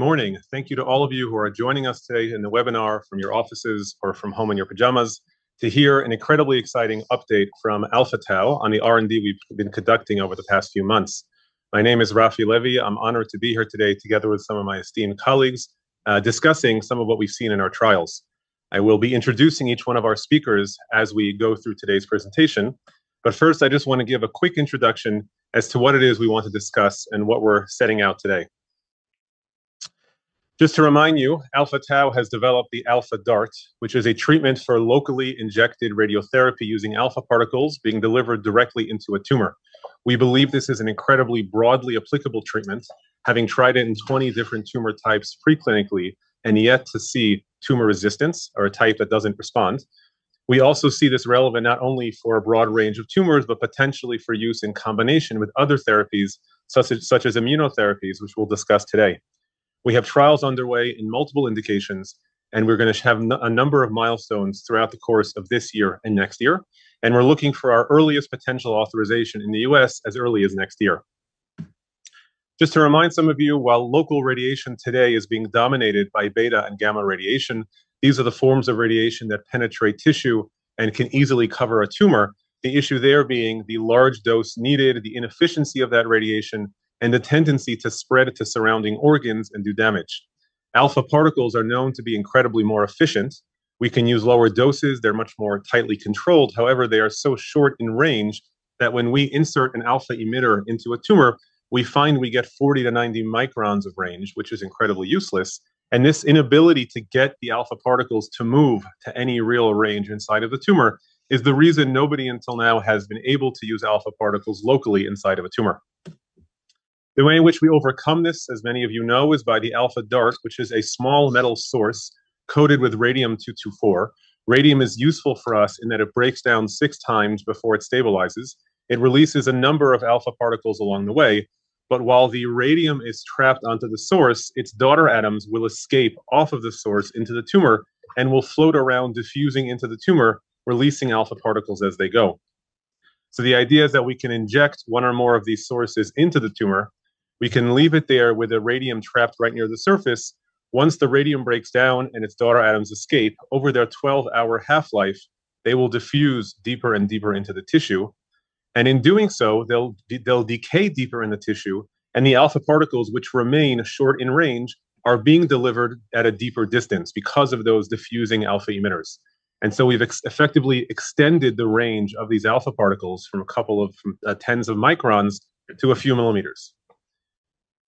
Good morning. Thank you to all of you who are joining us today in the webinar from your offices or from home in your pajamas to hear an incredibly exciting update from Alpha Tau on the R&D we've been conducting over the past few months. My name is Raphi Levy. I'm honored to be here today together with some of my esteemed colleagues discussing some of what we've seen in our trials. I will be introducing each one of our speakers as we go through today's presentation. But first, I just want to give a quick introduction as to what it is we want to discuss and what we're setting out today. Just to remind you, Alpha Tau has developed the Alpha DaRT, which is a treatment for locally injected radiotherapy using alpha particles being delivered directly into a tumor. We believe this is an incredibly broadly applicable treatment, having tried it in 20 different tumor types preclinically and yet to see tumor resistance or a type that doesn't respond. We also see this relevant not only for a broad range of tumors, but potentially for use in combination with other therapies, such as immunotherapies, which we'll discuss today. We have trials underway in multiple indications, and we're going to have a number of milestones throughout the course of this year and next year, and we're looking for our earliest potential authorization in the U.S. as early as next year. Just to remind some of you, while local radiation today is being dominated by beta and gamma radiation, these are the forms of radiation that penetrate tissue and can easily cover a tumor, the issue there being the large dose needed, the inefficiency of that radiation, and the tendency to spread to surrounding organs and do damage. Alpha particles are known to be incredibly more efficient. We can use lower doses. They're much more tightly controlled. However, they are so short in range that when we insert an alpha emitter into a tumor, we find we get 40 to 90 microns of range, which is incredibly useless, and this inability to get the alpha particles to move to any real range inside of the tumor is the reason nobody until now has been able to use alpha particles locally inside of a tumor. The way in which we overcome this, as many of you know, is by the Alpha DaRT, which is a small metal source coated with radium-224. Radium is useful for us in that it breaks down six times before it stabilizes. It releases a number of alpha particles along the way. But while the radium is trapped onto the source, its daughter atoms will escape off of the source into the tumor and will float around, diffusing into the tumor, releasing alpha particles as they go. So the idea is that we can inject one or more of these sources into the tumor. We can leave it there with the radium trapped right near the surface. Once the radium breaks down and its daughter atoms escape, over their 12-hour half-life, they will diffuse deeper and deeper into the tissue, and in doing so, they'll decay deeper in the tissue. And the alpha particles, which remain short in range, are being delivered at a deeper distance because of those diffusing alpha emitters. And so we've effectively extended the range of these alpha particles from a couple of tens of microns to a few millimeters.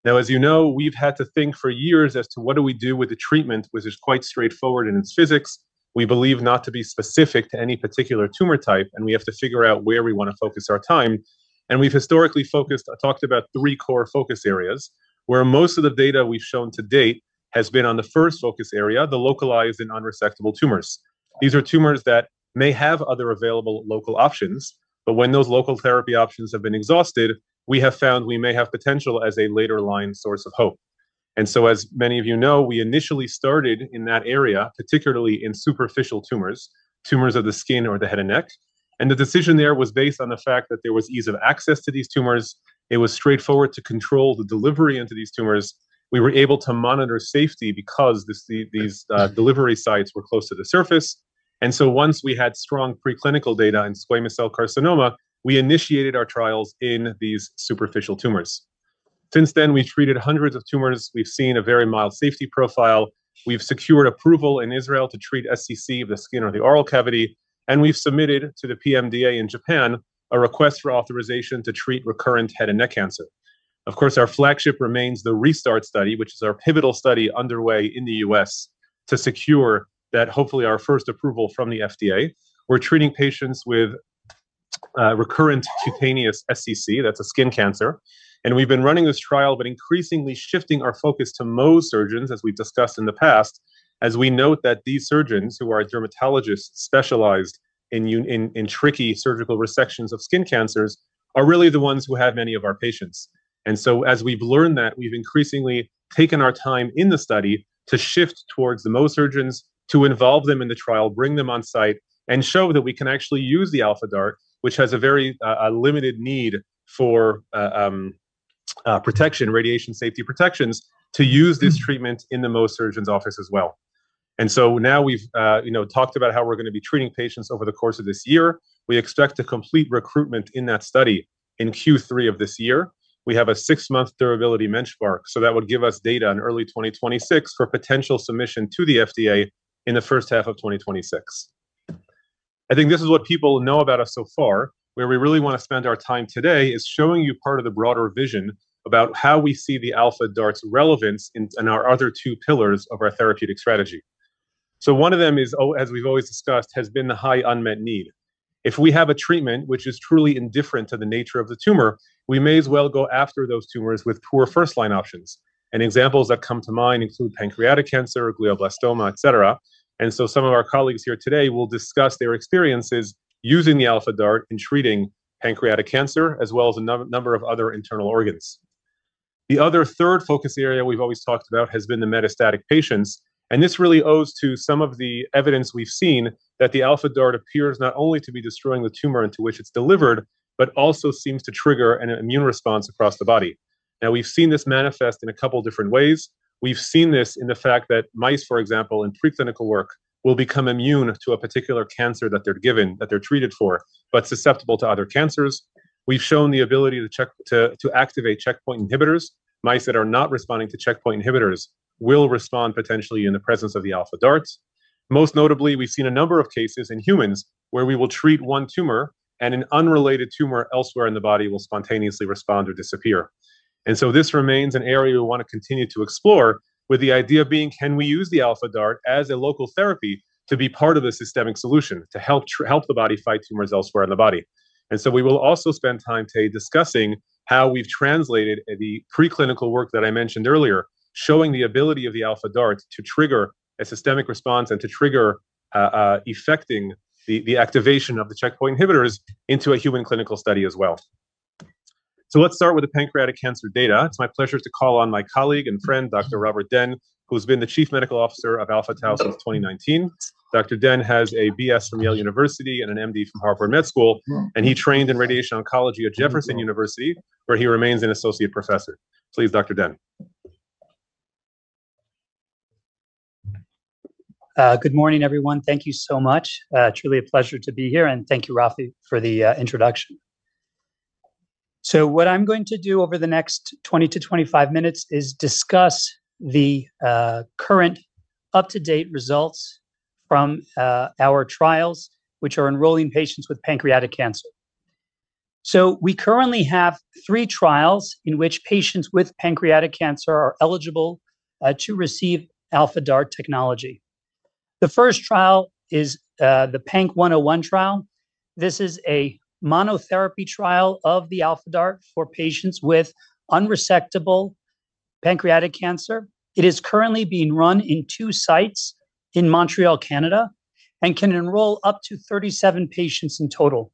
Now, as you know, we've had to think for years as to what do we do with the treatment, which is quite straightforward in its physics. We believe not to be specific to any particular tumor type, and we have to figure out where we want to focus our time. And we've historically focused or talked about three core focus areas where most of the data we've shown to date has been on the first focus area, the localized and unresectable tumors. These are tumors that may have other available local options. When those local therapy options have been exhausted, we have found we may have potential as a later line source of hope. As many of you know, we initially started in that area, particularly in superficial tumors, tumors of the skin or the head and neck. The decision there was based on the fact that there was ease of access to these tumors. It was straightforward to control the delivery into these tumors. We were able to monitor safety because these delivery sites were close to the surface. Once we had strong preclinical data in squamous cell carcinoma, we initiated our trials in these superficial tumors. Since then, we've treated hundreds of tumors. We've seen a very mild safety profile. We've secured approval in Israel to treat SCC of the skin or the oral cavity. We’ve submitted to the PMDA in Japan a request for authorization to treat recurrent head and neck cancer. Of course, our flagship remains the ReSTART study, which is our pivotal study underway in the U.S. to secure that hopefully our first approval from the FDA. We’re treating patients with recurrent cutaneous SCC. That’s a skin cancer. We’ve been running this trial, but increasingly shifting our focus to Mohs surgeons, as we’ve discussed in the past, as we note that these surgeons who are dermatologists specialized in tricky surgical resections of skin cancers are really the ones who have many of our patients. And so, as we've learned that, we've increasingly taken our time in the study to shift towards the Mohs surgeons, to involve them in the trial, bring them on site, and show that we can actually use the Alpha DaRT, which has a very limited need for radiation safety protections, to use this treatmentin the Mohs surgeons' office as well. And so now we've talked about how we're going to be treating patients over the course of this year. We expect a complete recruitment in that study in Q3 of this year. We have a six-month durability benchmark. So that would give us data in early 2026 for potential submission to the FDA in the first half of 2026. I think this is what people know about us so far. Where we really want to spend our time today is showing you part of the broader vision about how we see the Alpha DaRT's relevance in our other two pillars of our therapeutic strategy, so one of them is, as we've always discussed, has been the high unmet need. If we have a treatment which is truly indifferent to the nature of the tumor, we may as well go after those tumors with poor first-line options, and examples that come to mind include pancreatic cancer, glioblastoma, et cetera, and so some of our colleagues here today will discuss their experiences using the Alpha DaRT in treating pancreatic cancer, as well as a number of other internal organs. The other third focus area we've always talked about has been the metastatic patients. This really owes to some of the evidence we've seen that the Alpha DaRT appears not only to be destroying the tumor into which it's delivered, but also seems to trigger an immune response across the body. Now, we've seen this manifest in a couple of different ways. We've seen this in the fact that mice, for example, in preclinical work, will become immune to a particular cancer that they're given, that they're treated for, but susceptible to other cancers. We've shown the ability to activate checkpoint inhibitors. Mice that are not responding to checkpoint inhibitors will respond potentially in the presence of the Alpha DaRT. Most notably, we've seen a number of cases in humans where we will treat one tumor, and an unrelated tumor elsewhere in the body will spontaneously respond or disappear. This remains an area we want to continue to explore with the idea being, can we use the Alpha DaRT as a local therapy to be part of a systemic solution to help the body fight tumors elsewhere in the body? We will also spend time today discussing how we've translated the preclinical work that I mentioned earlier, showing the ability of the Alpha DaRT to trigger a systemic response and to trigger effecting the activation of the checkpoint inhibitors into a human clinical study as well. Let's start with the pancreatic cancer data. It's my pleasure to call on my colleague and friend, Dr. Robert Den, who's been the Chief Medical Officer of Alpha Tau since 2019. Dr. Den has a BS from Yale University and an MD from Harvard Med School. He trained in radiation oncology at Thomas Jefferson University, where he remains an associate professor. Please, Dr. Den. Good morning, everyone. Thank you so much. Truly a pleasure to be here. And thank you, Raphi, for the introduction. So what I'm going to do over the next 20-25 minutes is discuss the current up-to-date results from our trials, which are enrolling patients with pancreatic cancer. So we currently have three trials in which patients with pancreatic cancer are eligible to receive Alpha DaRT technology. The first trial is the PANC-101 trial. This is a monotherapy trial of the Alpha DaRT for patients with unresectable pancreatic cancer. It is currently being run in two sites in Montreal, Canada, and can enroll up to 37 patients in total.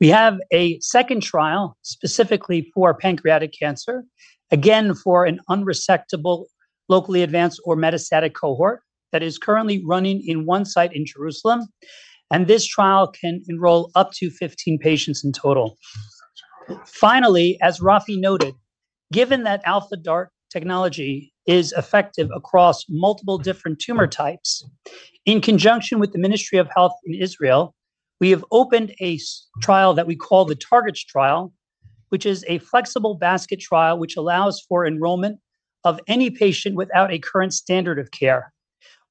We have a second trial specifically for pancreatic cancer, again for an unresectable, locally advanced, or metastatic cohort that is currently running in one site in Jerusalem. And this trial can enroll up to 15 patients in total. Finally, as Raphi noted, given that Alpha DaRT technology is effective across multiple different tumor types, in conjunction with the Ministry of Health in Israel, we have opened a trial that we call the TARGETS trial, which is a flexible basket trial which allows for enrollment of any patient without a current standard of care.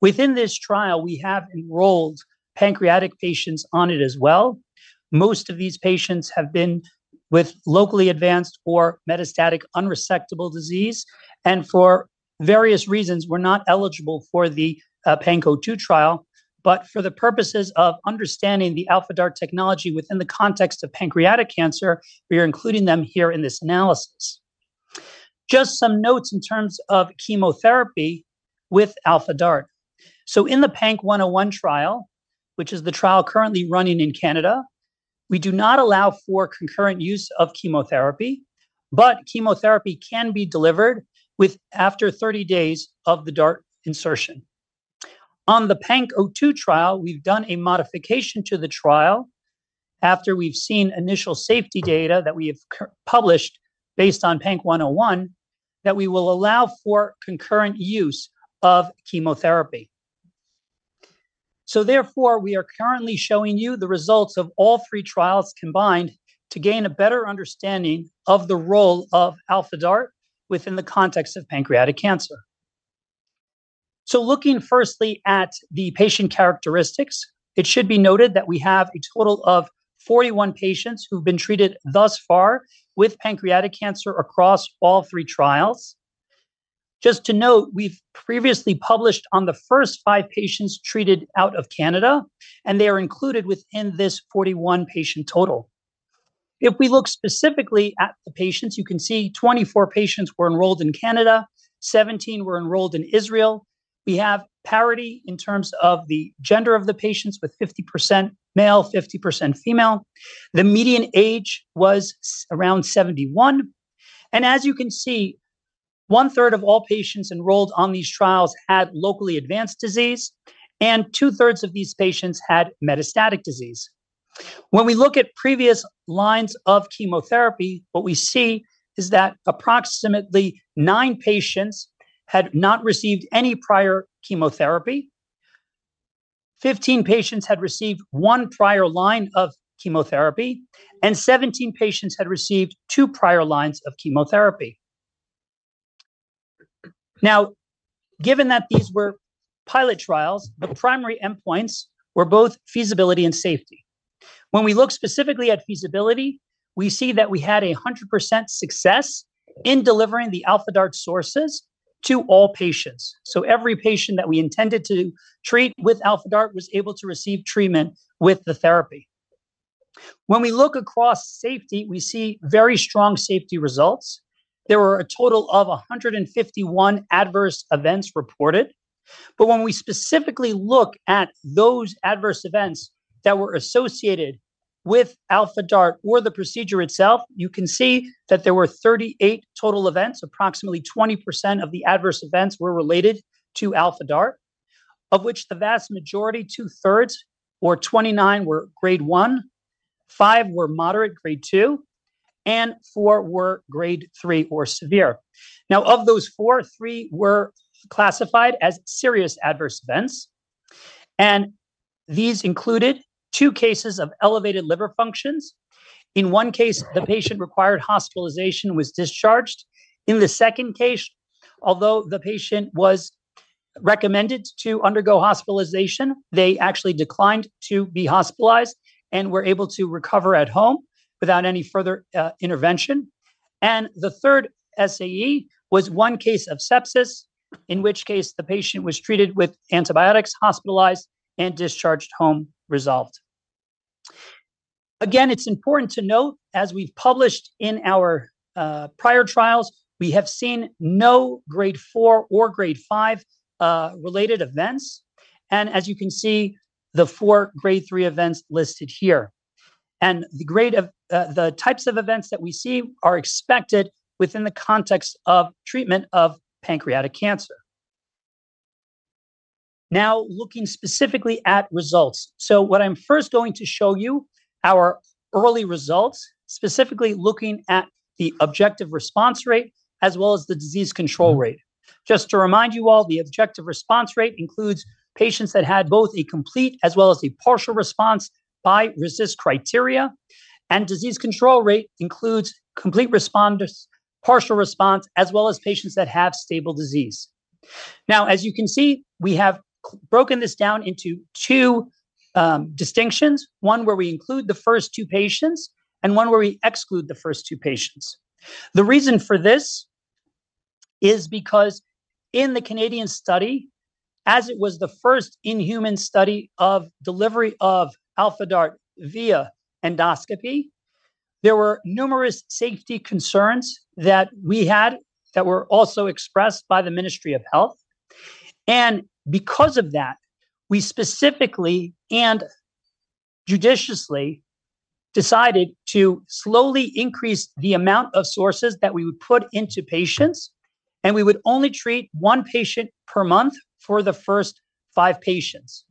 Within this trial, we have enrolled pancreatic patients on it as well. Most of these patients have been with locally advanced or metastatic unresectable disease. And for various reasons, we're not eligible for the PANC-02 trial. But for the purposes of understanding the Alpha DaRT technology within the context of pancreatic cancer, we are including them here in this analysis. Just some notes in terms of chemotherapy with Alpha DaRT. So in the PANC-101 trial, which is the trial currently running in Canada, we do not allow for concurrent use of chemotherapy. But chemotherapy can be delivered after 30 days of the DaRT insertion. On the PANC-02 trial, we've done a modification to the trial after we've seen initial safety data that we have published based on PANC-101 that we will allow for concurrent use of chemotherapy. So therefore, we are currently showing you the results of all three trials combined to gain a better understanding of the role of Alpha DaRT within the context of pancreatic cancer. So looking firstly at the patient characteristics, it should be noted that we have a total of 41 patients who've been treated thus far with pancreatic cancer across all three trials. Just to note, we've previously published on the first five patients treated out of Canada, and they are included within this 41-patient total. If we look specifically at the patients, you can see 24 patients were enrolled in Canada, 17 were enrolled in Israel. We have parity in terms of the gender of the patients with 50% male, 50% female. The median age was around 71, and as you can see, one-third of all patients enrolled on these trials had locally advanced disease, and two-thirds of these patients had metastatic disease. When we look at previous lines of chemotherapy, what we see is that approximately nine patients had not received any prior chemotherapy, 15 patients had received one prior line of chemotherapy, and 17 patients had received two prior lines of chemotherapy. Now, given that these were pilot trials, the primary endpoints were both feasibility and safety. When we look specifically at feasibility, we see that we had a 100% success in delivering the Alpha DaRT sources to all patients. Every patient that we intended to treat with Alpha DaRT was able to receive treatment with the therapy. When we look across safety, we see very strong safety results. There were a total of 151 adverse events reported. But when we specifically look at those adverse events that were associated with Alpha DaRT or the procedure itself, you can see that there were 38 total events. Approximately 20% of the adverse events were related to Alpha DaRT, of which the vast majority, two-thirds, 29 were grade 1, five were moderate grade 2, and four were grade 3 or severe. Now, of those four, three were classified as serious adverse events. And these included two cases of elevated liver functions. In one case, the patient required hospitalization and was discharged. In the second case, although the patient was recommended to undergo hospitalization, they actually declined to be hospitalized and were able to recover at home without any further intervention. And the third SAE was one case of sepsis, in which case the patient was treated with antibiotics, hospitalized, and discharged home, resolved. Again, it's important to note, as we've published in our prior trials, we have seen no grade 4 or grade 5 related events. And as you can see, the four grade 3 events listed here. And the types of events that we see are expected within the context of treatment of pancreatic cancer. Now, looking specifically at results. So what I'm first going to show you are early results, specifically looking at the objective response rate as well as the disease control rate. Just to remind you all, the objective response rate includes patients that had both a complete as well as a partial response by RECIST criteria. And disease control rate includes complete response, partial response, as well as patients that have stable disease. Now, as you can see, we have broken this down into two distinctions, one where we include the first two patients and one where we exclude the first two patients. The reason for this is because in the Canadian study, as it was the first-in-human study of delivery of Alpha DaRT via endoscopy, there were numerous safety concerns that we had that were also expressed by the Ministry of Health. And because of that, we specifically and judiciously decided to slowly increase the amount of sources that we would put into patients. And we would only treat one patient per month for the first five patients.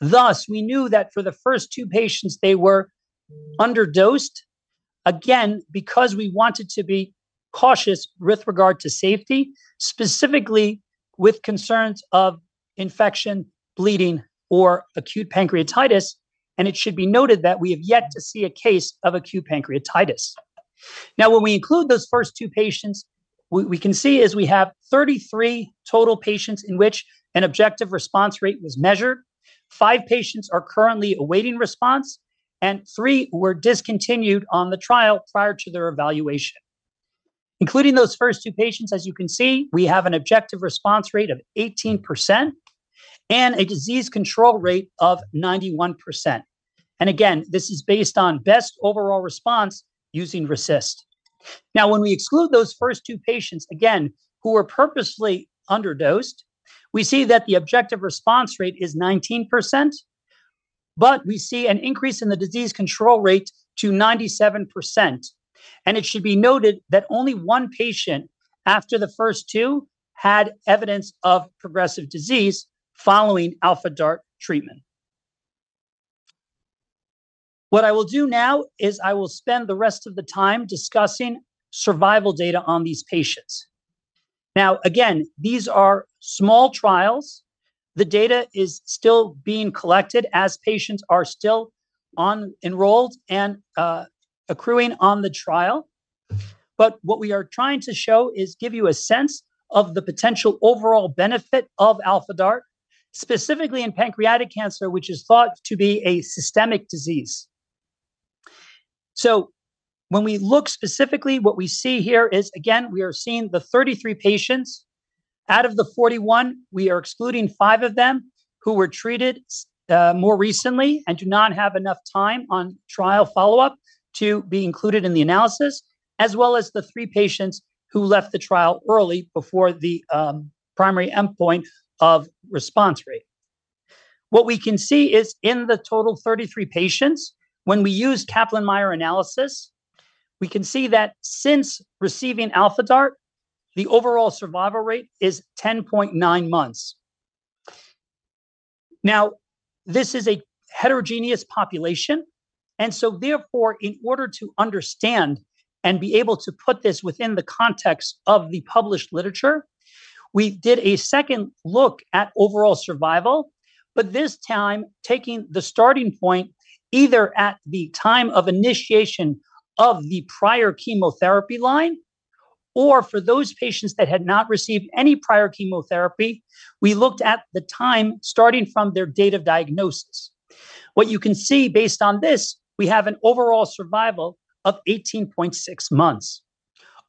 Thus, we knew that for the first two patients, they were underdosed, again, because we wanted to be cautious with regard to safety, specifically with concerns of infection, bleeding, or acute pancreatitis, and it should be noted that we have yet to see a case of acute pancreatitis. Now, when we include those first two patients, what we can see is we have 33 total patients in which an objective response rate was measured. Five patients are currently awaiting response, and three were discontinued on the trial prior to their evaluation. Including those first two patients, as you can see, we have an objective response rate of 18% and a disease control rate of 91%, and again, this is based on best overall response using RECIST. Now, when we exclude those first two patients, again, who were purposely underdosed, we see that the objective response rate is 19%. But we see an increase in the disease control rate to 97%. And it should be noted that only one patient after the first two had evidence of progressive disease following Alpha DaRT treatment. What I will do now is I will spend the rest of the time discussing survival data on these patients. Now, again, these are small trials. The data is still being collected as patients are still enrolled and accruing on the trial. But what we are trying to show is give you a sense of the potential overall benefit of Alpha DaRT, specifically in pancreatic cancer, which is thought to be a systemic disease. So when we look specifically, what we see here is, again, we are seeing the 33 patients. Out of the 41, we are excluding five of them who were treated more recently and do not have enough time on trial follow-up to be included in the analysis, as well as the three patients who left the trial early before the primary endpoint of response rate. What we can see is in the total 33 patients, when we use Kaplan-Meier analysis, we can see that since receiving Alpha DaRT, the overall survival rate is 10.9 months. Now, this is a heterogeneous population. And so therefore, in order to understand and be able to put this within the context of the published literature, we did a second look at overall survival. But this time, taking the starting point either at the time of initiation of the prior chemotherapy line or for those patients that had not received any prior chemotherapy, we looked at the time starting from their date of diagnosis. What you can see based on this, we have an overall survival of 18.6 months.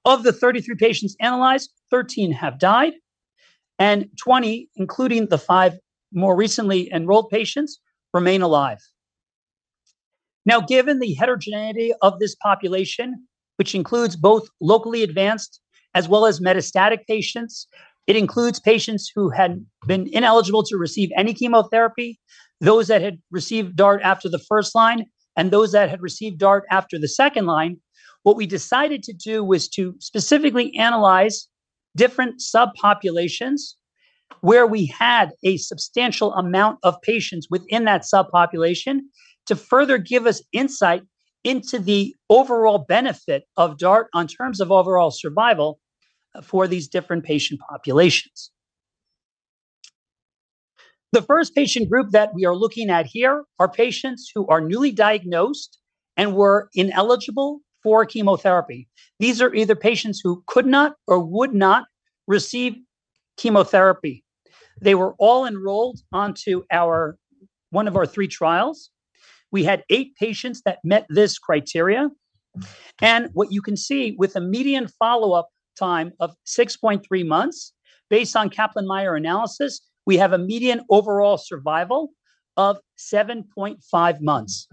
Of the 33 patients analyzed, 13 have died, and 20, including the five more recently enrolled patients, remain alive. Now, given the heterogeneity of this population, which includes both locally advanced as well as metastatic patients, it includes patients who had been ineligible to receive any chemotherapy, those that had received DaRT after the first line, and those that had received DaRT after the second line, what we decided to do was to specifically analyze different subpopulations where we had a substantial amount of patients within that subpopulation to further give us insight into the overall benefit of DaRT in terms of overall survival for these different patient populations. The first patient group that we are looking at here are patients who are newly diagnosed and were ineligible for chemotherapy. These are either patients who could not or would not receive chemotherapy. They were all enrolled onto one of our three trials. We had eight patients that met this criteria. What you can see, with a median follow-up time of 6.3 months, based on Kaplan-Meier analysis, we have a median overall survival of 7.5 months.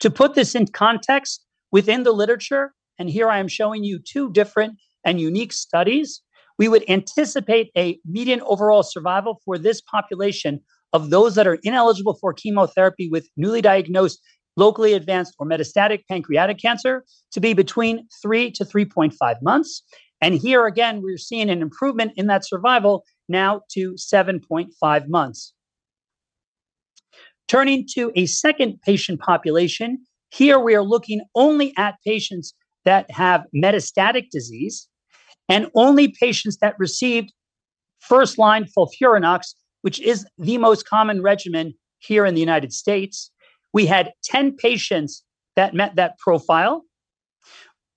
To put this in context within the literature, and here I am showing you two different and unique studies, we would anticipate a median overall survival for this population of those that are ineligible for chemotherapy with newly diagnosed locally advanced or metastatic pancreatic cancer to be between 3-3.5 months. Here, again, we're seeing an improvement in that survival now to 7.5 months. Turning to a second patient population, here we are looking only at patients that have metastatic disease and only patients that received first-line FOLFIRINOX, which is the most common regimen here in the United States. We had 10 patients that met that profile.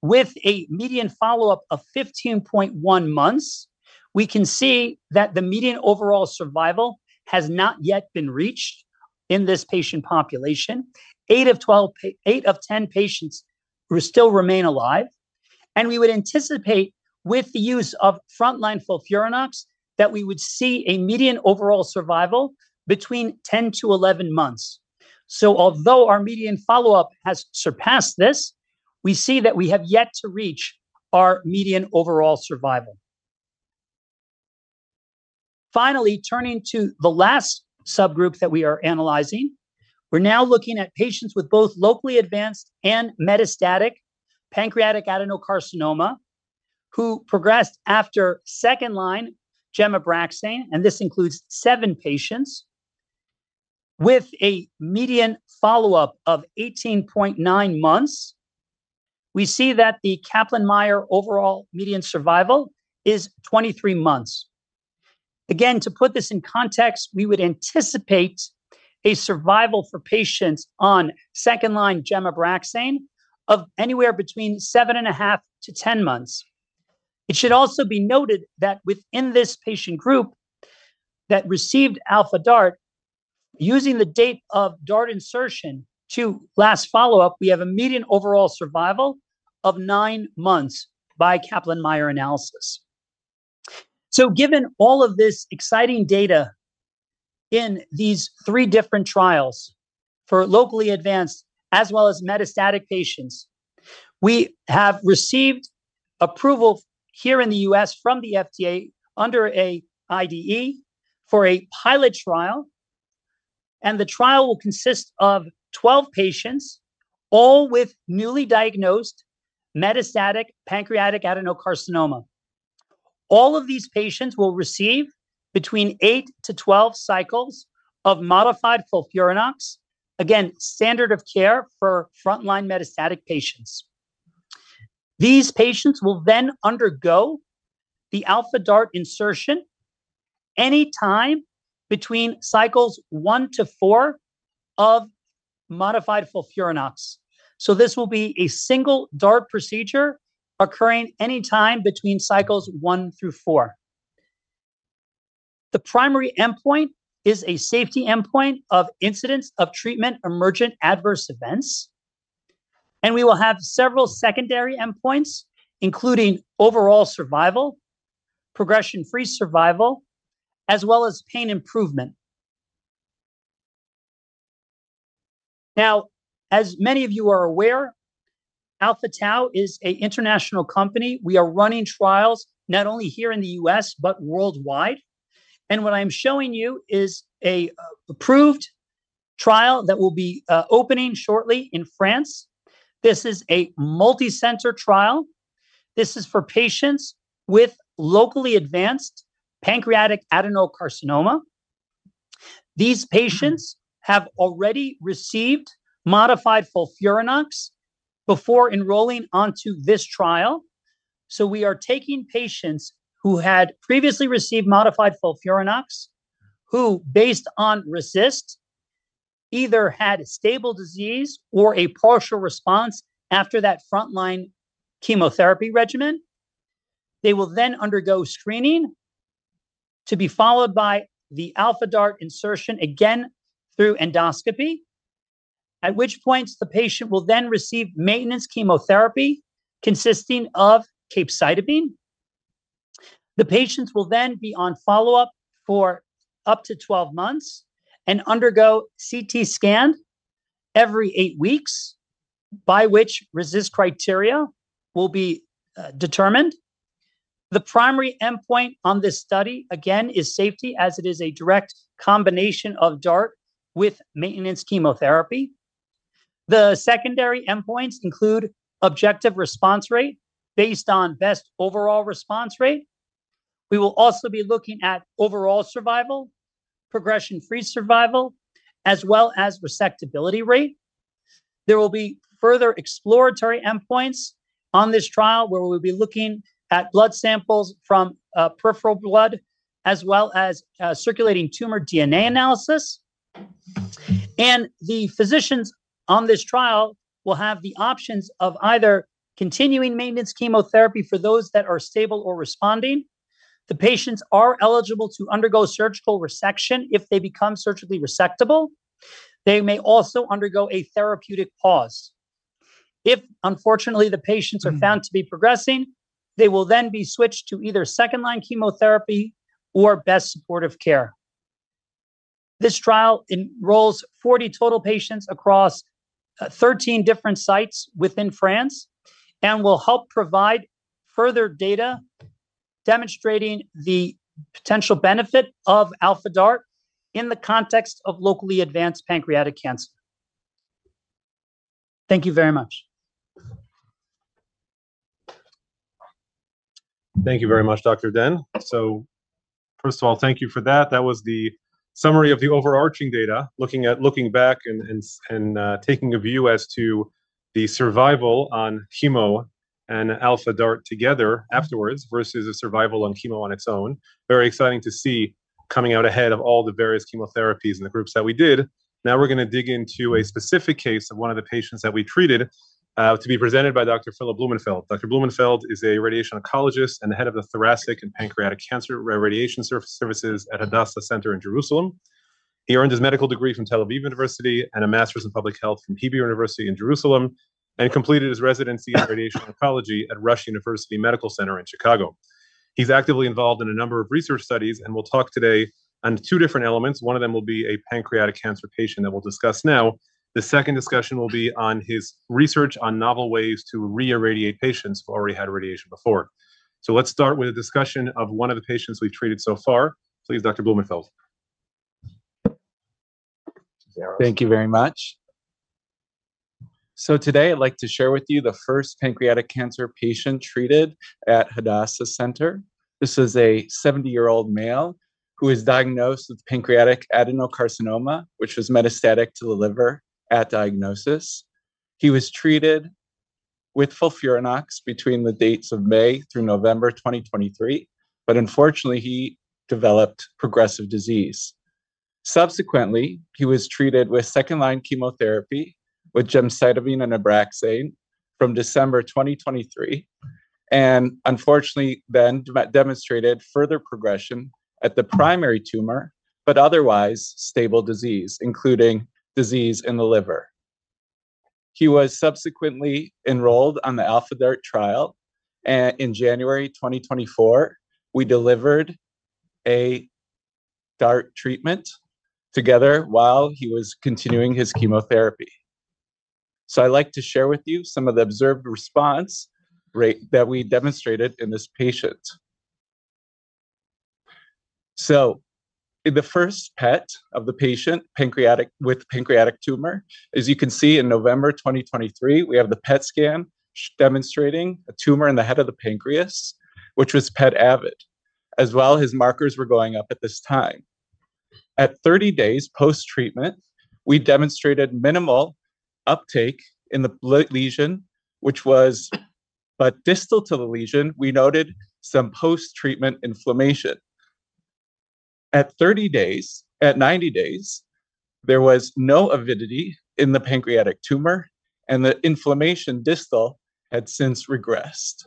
With a median follow-up of 15.1 months, we can see that the median overall survival has not yet been reached in this patient population. Eight of 10 patients still remain alive. We would anticipate, with the use of front-line FOLFIRINOX, that we would see a median overall survival between 10-11 months. Although our median follow-up has surpassed this, we see that we have yet to reach our median overall survival. Finally, turning to the last subgroup that we are analyzing, we're now looking at patients with both locally advanced and metastatic pancreatic adenocarcinoma who progressed after second-line Gem/Abraxane. This includes seven patients with a median follow-up of 18.9 months. We see that the Kaplan-Meier overall median survival is 23 months. Again, to put this in context, we would anticipate a survival for patients on second-line Gem/Abraxane of anywhere between 7.5-10 months. It should also be noted that within this patient group that received Alpha DaRT, using the date of DaRT insertion to last follow-up, we have a median overall survival of nine months by Kaplan-Meier analysis. So given all of this exciting data in these three different trials for locally advanced as well as metastatic patients, we have received approval here in the U.S. from the FDA under an IDE for a pilot trial. And the trial will consist of 12 patients, all with newly diagnosed metastatic pancreatic adenocarcinoma. All of these patients will receive between eight to 12 cycles of modified FOLFIRINOX, again, standard of care for front-line metastatic patients. These patients will then undergo the Alpha DaRT insertion anytime between cycles one to four of modified FOLFIRINOX. So this will be a single DaRT procedure occurring anytime between cycles one through four. The primary endpoint is a safety endpoint of incidents of treatment emergent adverse events, and we will have several secondary endpoints, including overall survival, progression-free survival, as well as pain improvement. Now, as many of you are aware, Alpha Tau is an international company. We are running trials not only here in the U.S., but worldwide, and what I'm showing you is an approved trial that will be opening shortly in France. This is a multicenter trial. This is for patients with locally advanced pancreatic adenocarcinoma. These patients have already received modified FOLFIRINOX before enrolling onto this trial, so we are taking patients who had previously received modified FOLFIRINOX, who, based on RECIST, either had stable disease or a partial response after that front-line chemotherapy regimen. They will then undergo screening to be followed by the Alpha DaRT insertion, again, through endoscopy, at which point the patient will then receive maintenance chemotherapy consisting of capecitabine. The patients will then be on follow-up for up to 12 months and undergo CT scans every eight weeks, by which RECIST criteria will be determined. The primary endpoint on this study, again, is safety, as it is a direct combination of DaRT with maintenance chemotherapy. The secondary endpoints include objective response rate based on best overall response rate. We will also be looking at overall survival, progression-free survival, as well as resectability rate. There will be further exploratory endpoints on this trial where we'll be looking at blood samples from peripheral blood, as well as circulating tumor DNA analysis. The physicians on this trial will have the options of either continuing maintenance chemotherapy for those that are stable or responding. The patients are eligible to undergo surgical resection if they become surgically resectable. They may also undergo a therapeutic pause. If, unfortunately, the patients are found to be progressing, they will then be switched to either second-line chemotherapy or best supportive care. This trial enrolls 40 total patients across 13 different sites within France and will help provide further data demonstrating the potential benefit of Alpha DaRT in the context of locally advanced pancreatic cancer. Thank you very much. Thank you very much, Dr. Den. First of all, thank you for that. That was the summary of the overarching data, looking back and taking a view as to the survival on chemo and Alpha DaRT together afterwards versus a survival on chemo on its own. Very exciting to see coming out ahead of all the various chemotherapies and the groups that we did. Now we're going to dig into a specific case of one of the patients that we treated to be presented by Dr. Philip Blumenfeld. Dr. Blumenfeld is a radiation oncologist and the head of the Thoracic and Pancreatic Cancer Radiation Services at Hadassah Medical Center in Jerusalem. He earned his medical degree from Tel Aviv University and a Master's in Public Health from Hebrew University of Jerusalem and completed his residency in radiation oncology at Rush University Medical Center in Chicago. He's actively involved in a number of research studies and will talk today on two different elements. One of them will be a pancreatic cancer patient that we'll discuss now. The second discussion will be on his research on novel ways to re-irradiate patients who already had radiation before. So let's start with a discussion of one of the patients we've treated so far. Please, Dr. Blumenfeld. Thank you very much. So today, I'd like to share with you the first pancreatic cancer patient treated at Hadassah Center. This is a 70-year-old male who was diagnosed with pancreatic adenocarcinoma, which was metastatic to the liver at diagnosis. He was treated with FOLFIRINOX between the dates of May through November 2023, but unfortunately, he developed progressive disease. Subsequently, he was treated with second-line chemotherapy with gemcitabine and Abraxane from December 2023. And unfortunately, then demonstrated further progression at the primary tumor, but otherwise stable disease, including disease in the liver. He was subsequently enrolled on the Alpha DaRT trial. And in January 2024, we delivered a DaRT treatment together while he was continuing his chemotherapy. So I'd like to share with you some of the observed response rate that we demonstrated in this patient. The first PET of the patient with pancreatic tumor, as you can see in November 2023, we have the PET scan demonstrating a tumor in the head of the pancreas, which was PET avid, as well as his markers were going up at this time. At 30 days post-treatment, we demonstrated minimal uptake in the lesion, which was but distal to the lesion. We noted some post-treatment inflammation. At 30 days, at 90 days, there was no avidity in the pancreatic tumor, and the inflammation distal had since regressed.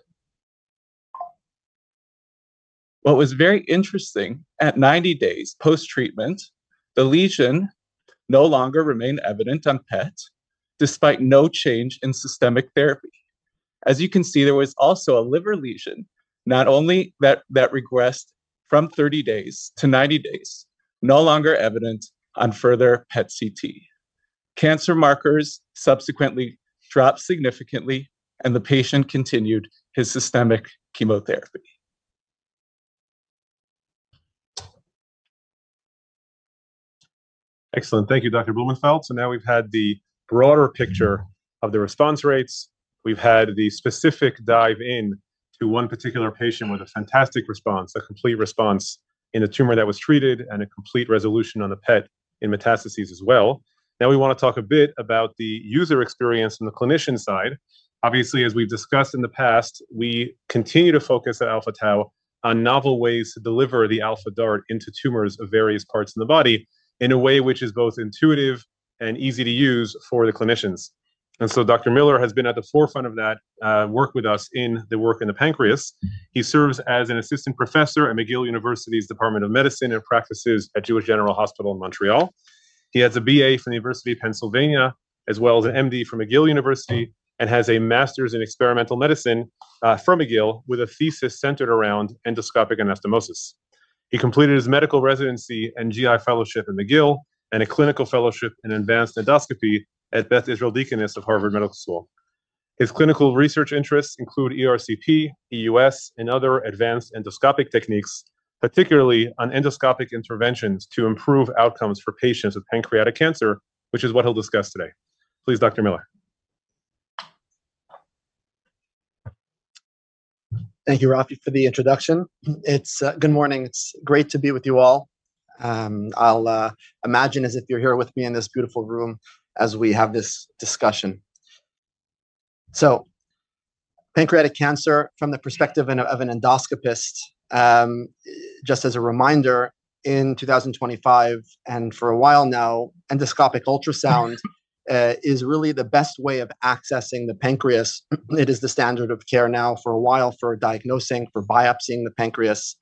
What was very interesting, at 90 days post-treatment, the lesion no longer remained evident on PET, despite no change in systemic therapy. As you can see, there was also a liver lesion, not only that regressed from 30 days to 90 days, no longer evident on further PET-CT. Cancer markers subsequently dropped significantly, and the patient continued his systemic chemotherapy. Excellent. Thank you, Dr. Blumenfeld. So now we've had the broader picture of the response rates. We've had the specific dive into one particular patient with a fantastic response, a complete response in a tumor that was treated, and a complete resolution on the PET in metastases as well. Now we want to talk a bit about the user experience on the clinician side. Obviously, as we've discussed in the past, we continue to focus at Alpha Tau on novel ways to deliver the Alpha DaRT into tumors of various parts of the body in a way which is both intuitive and easy to use for the clinicians. And so Dr. Miller has been at the forefront of that work with us in the work in the pancreas. He serves as an assistant professor at McGill University's Department of Medicine and practices at Jewish General Hospital in Montreal. He has a BA from the University of Pennsylvania, as well as an MD from McGill University, and has a Master's in Experimental Medicine from McGill with a thesis centered around endoscopic anastomosis. He completed his medical residency and GI fellowship at McGill and a clinical fellowship in advanced endoscopy at Beth Israel Deaconess Medical Center of Harvard Medical School. His clinical research interests include ERCP, EUS, and other advanced endoscopic techniques, particularly on endoscopic interventions to improve outcomes for patients with pancreatic cancer, which is what he'll discuss today. Please, Dr. Miller. Thank you, Raphi, for the introduction. Good morning. It's great to be with you all. I'll imagine as if you're here with me in this beautiful room as we have this discussion so pancreatic cancer from the perspective of an endoscopist, just as a reminder, in 2025 and for a while now, endoscopic ultrasound is really the best way of accessing the pancreas. It is the standard of care now for a while for diagnosing, for biopsying the pancreas.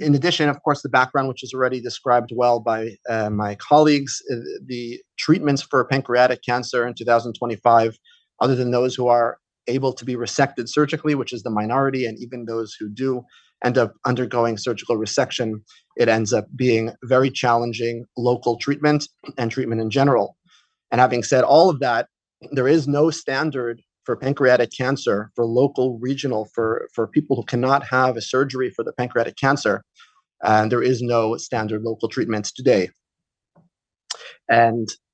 In addition, of course, the background, which is already described well by my colleagues, the treatments for pancreatic cancer in 2025, other than those who are able to be resected surgically, which is the minority, and even those who do end up undergoing surgical resection, it ends up being very challenging local treatment and treatment in general. Having said all of that, there is no standard for pancreatic cancer for local, regional, for people who cannot have a surgery for the pancreatic cancer. There is no standard local treatments today.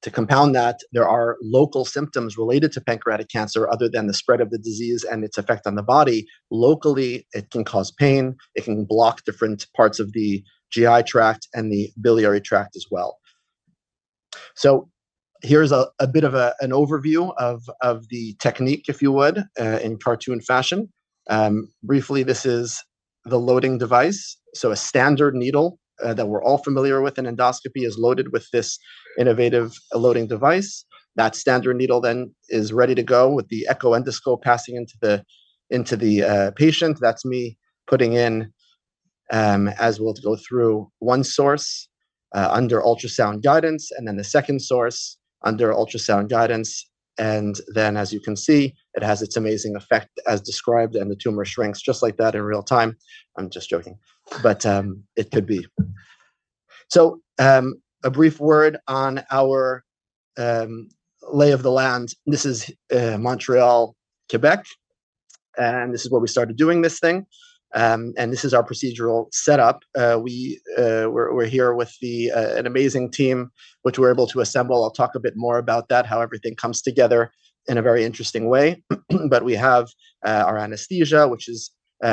To compound that, there are local symptoms related to pancreatic cancer other than the spread of the disease and its effect on the body. Locally, it can cause pain. It can block different parts of the GI tract and the biliary tract as well. Here's a bit of an overview of the technique, if you would, in cartoon fashion. Briefly, this is the loading device. A standard needle that we're all familiar with in endoscopy is loaded with this innovative loading device. That standard needle then is ready to go with the echo endoscope passing into the patient. That's me putting in, as we'll go through, one source under ultrasound guidance, and then the second source under ultrasound guidance. And then, as you can see, it has its amazing effect, as described, and the tumor shrinks just like that in real time. I'm just joking, but it could be. So a brief word on our lay of the land. This is Montreal, Quebec, and this is where we started doing this thing. And this is our procedural setup. We're here with an amazing team, which we're able to assemble. I'll talk a bit more about that, how everything comes together in a very interesting way. But we have our anesthesia, which is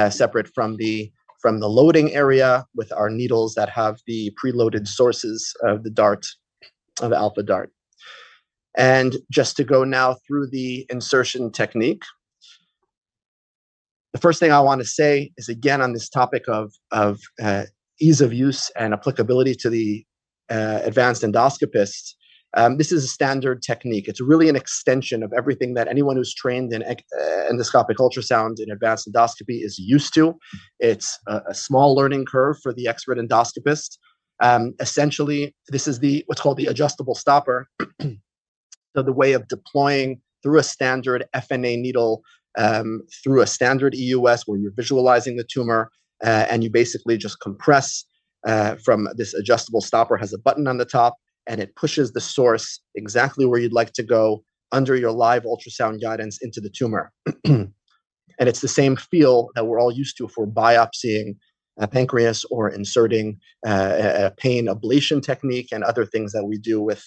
separate from the loading area with our needles that have the preloaded sources of the DaRT of Alpha DaRT. And just to go now through the insertion technique, the first thing I want to say is, again, on this topic of ease of use and applicability to the advanced endoscopists, this is a standard technique. It's really an extension of everything that anyone who's trained in endoscopic ultrasound and advanced endoscopy is used to. It's a small learning curve for the expert endoscopist. Essentially, this is what's called the adjustable stopper. So the way of deploying through a standard FNA needle, through a standard EUS, where you're visualizing the tumor, and you basically just compress from this adjustable stopper, has a button on the top, and it pushes the source exactly where you'd like to go under your live ultrasound guidance into the tumor. It's the same feel that we're all used to for biopsying pancreas or inserting a pain ablation technique and other things that we do with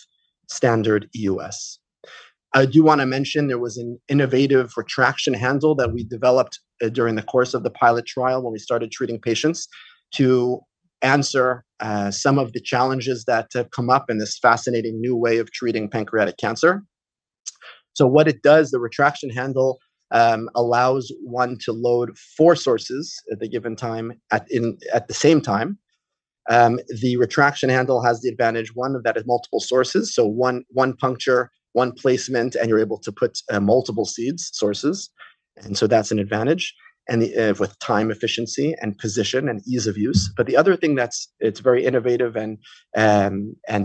standard EUS. I do want to mention there was an innovative retraction handle that we developed during the course of the pilot trial when we started treating patients to answer some of the challenges that have come up in this fascinating new way of treating pancreatic cancer. What it does, the retraction handle allows one to load four sources at the given time at the same time. The retraction handle has the advantage, one, that it has multiple sources. One puncture, one placement, and you're able to put multiple seed sources. That's an advantage with time efficiency and position and ease of use. But the other thing that's very innovative and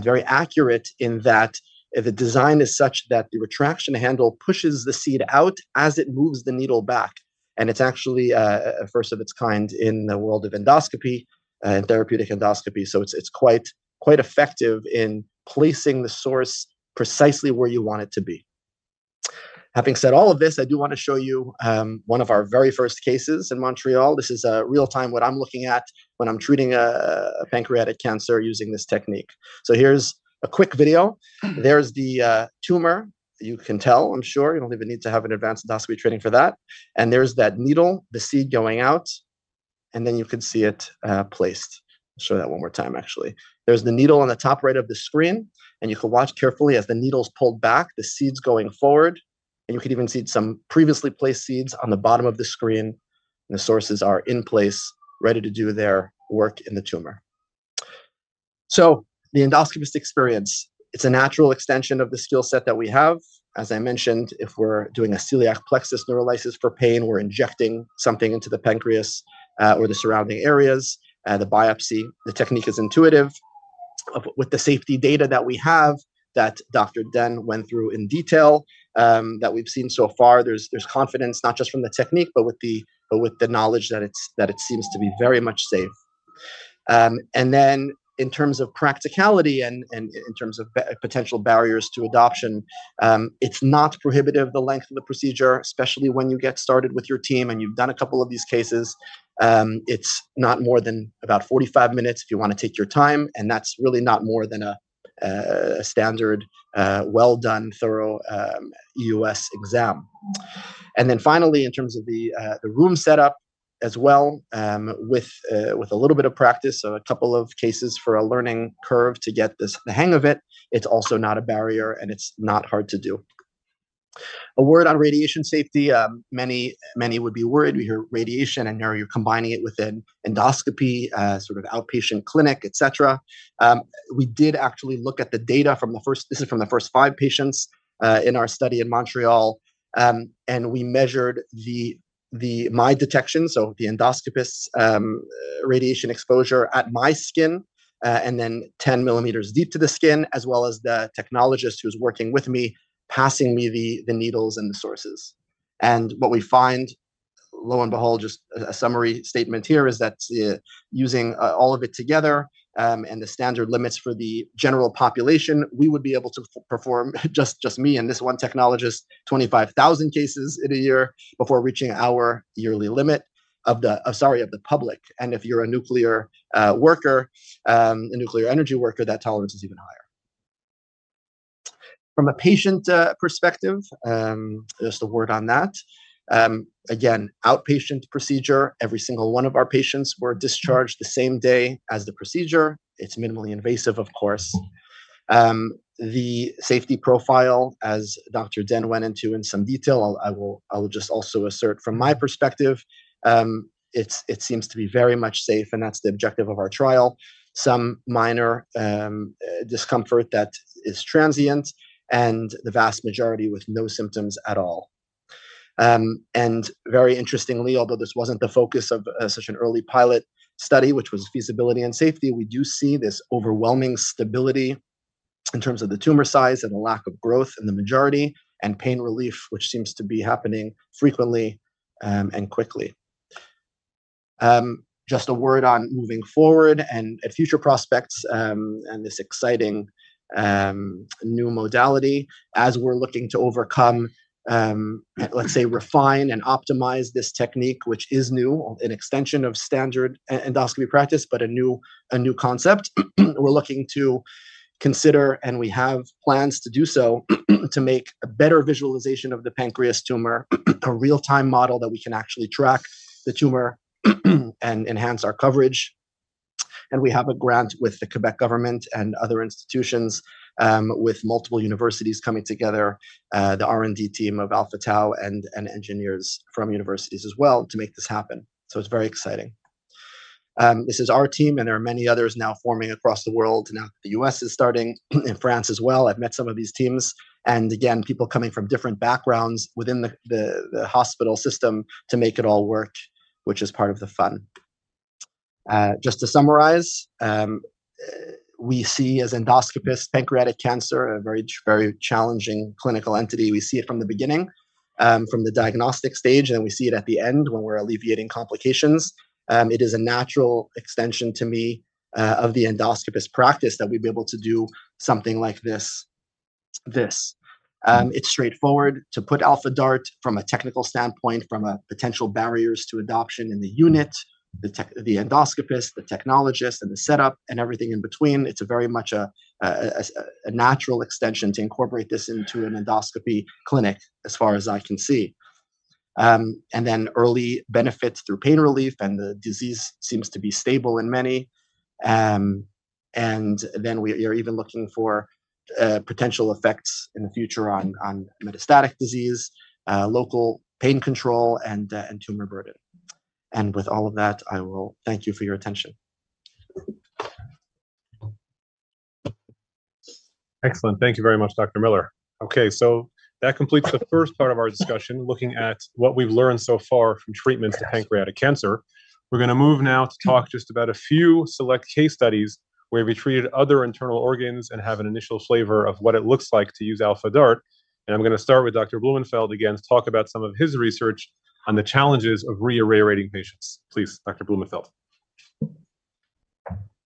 very accurate in that the design is such that the retraction handle pushes the seed out as it moves the needle back. And it's actually first of its kind in the world of endoscopy and therapeutic endoscopy. So it's quite effective in placing the source precisely where you want it to be. Having said all of this, I do want to show you one of our very first cases in Montreal. This is real-time what I'm looking at when I'm treating pancreatic cancer using this technique. So here's a quick video. There's the tumor. You can tell, I'm sure. You don't even need to have an advanced endoscopy training for that. And there's that needle, the seed going out. And then you can see it placed. I'll show that one more time, actually. There's the needle on the top right of the screen, and you can watch carefully as the needle's pulled back, the seed's going forward. You can even see some previously placed seeds on the bottom of the screen, and the sources are in place, ready to do their work in the tumor, so the endoscopist experience, it's a natural extension of the skill set that we have. As I mentioned, if we're doing a celiac plexus neurolysis for pain, we're injecting something into the pancreas or the surrounding areas. The biopsy, the technique is intuitive. With the safety data that we have that Dr. Den went through in detail that we've seen so far, there's confidence not just from the technique, but with the knowledge that it seems to be very much safe. And then in terms of practicality and in terms of potential barriers to adoption, it's not prohibitive the length of the procedure, especially when you get started with your team and you've done a couple of these cases. It's not more than about 45 minutes if you want to take your time. And that's really not more than a standard, well-done, thorough EUS exam. And then finally, in terms of the room setup as well, with a little bit of practice, so a couple of cases for a learning curve to get the hang of it, it's also not a barrier and it's not hard to do. A word on radiation safety. Many would be worried. We hear radiation and now you're combining it within endoscopy, sort of outpatient clinic, et cetera. We did actually look at the data from the first, this is from the first five patients in our study in Montreal. And we measured radiation detection, so the endoscopist's radiation exposure at my skin and then 10 millimeters deep to the skin, as well as the technologist who's working with me, passing me the needles and the sources. And what we find, lo and behold, just a summary statement here is that using all of it together and the standard limits for the general population, we would be able to perform, just me and this one technologist, 25,000 cases in a year before reaching our yearly limit of the, sorry, of the public. And if you're a nuclear worker, a nuclear energy worker, that tolerance is even higher. From a patient perspective, just a word on that. Again, outpatient procedure, every single one of our patients were discharged the same day as the procedure. It's minimally invasive, of course. The safety profile, as Dr. Den went into in some detail, I will just also assert from my perspective, it seems to be very much safe, and that's the objective of our trial. Some minor discomfort that is transient and the vast majority with no symptoms at all, and very interestingly, although this wasn't the focus of such an early pilot study, which was feasibility and safety, we do see this overwhelming stability in terms of the tumor size and the lack of growth in the majority and pain relief, which seems to be happening frequently and quickly. Just a word on moving forward and future prospects and this exciting new modality. As we're looking to overcome, let's say, refine and optimize this technique, which is new, an extension of standard endoscopy practice, but a new concept. We're looking to consider, and we have plans to do so, to make a better visualization of the pancreas tumor, a real-time model that we can actually track the tumor and enhance our coverage. And we have a grant with the Quebec government and other institutions with multiple universities coming together, the R&D team of Alpha Tau and engineers from universities as well to make this happen. So it's very exciting. This is our team, and there are many others now forming across the world. Now the U.S. is starting and France as well. I've met some of these teams. And again, people coming from different backgrounds within the hospital system to make it all work, which is part of the fun. Just to summarize, we see as endoscopists, pancreatic cancer, a very challenging clinical entity. We see it from the beginning, from the diagnostic stage, and we see it at the end when we're alleviating complications. It is a natural extension to me of the endoscopist practice that we'd be able to do something like this. It's straightforward to put Alpha DaRT from a technical standpoint, from potential barriers to adoption in the unit, the endoscopist, the technologist, and the setup and everything in between. It's very much a natural extension to incorporate this into an endoscopy clinic, as far as I can see. And then early benefits through pain relief, and the disease seems to be stable in many. And then we are even looking for potential effects in the future on metastatic disease, local pain control, and tumor burden. With all of that, I will thank you for your attention. Excellent. Thank you very much, Dr. Miller. Okay, so that completes the first part of our discussion, looking at what we've learned so far from treatments to pancreatic cancer. We're going to move now to talk just about a few select case studies where we treated other internal organs and have an initial flavor of what it looks like to use Alpha DaRT, and I'm going to start with Dr. Blumenfeld again to talk about some of his research on the challenges of re-irradiating patients. Please, Dr. Blumenfeld.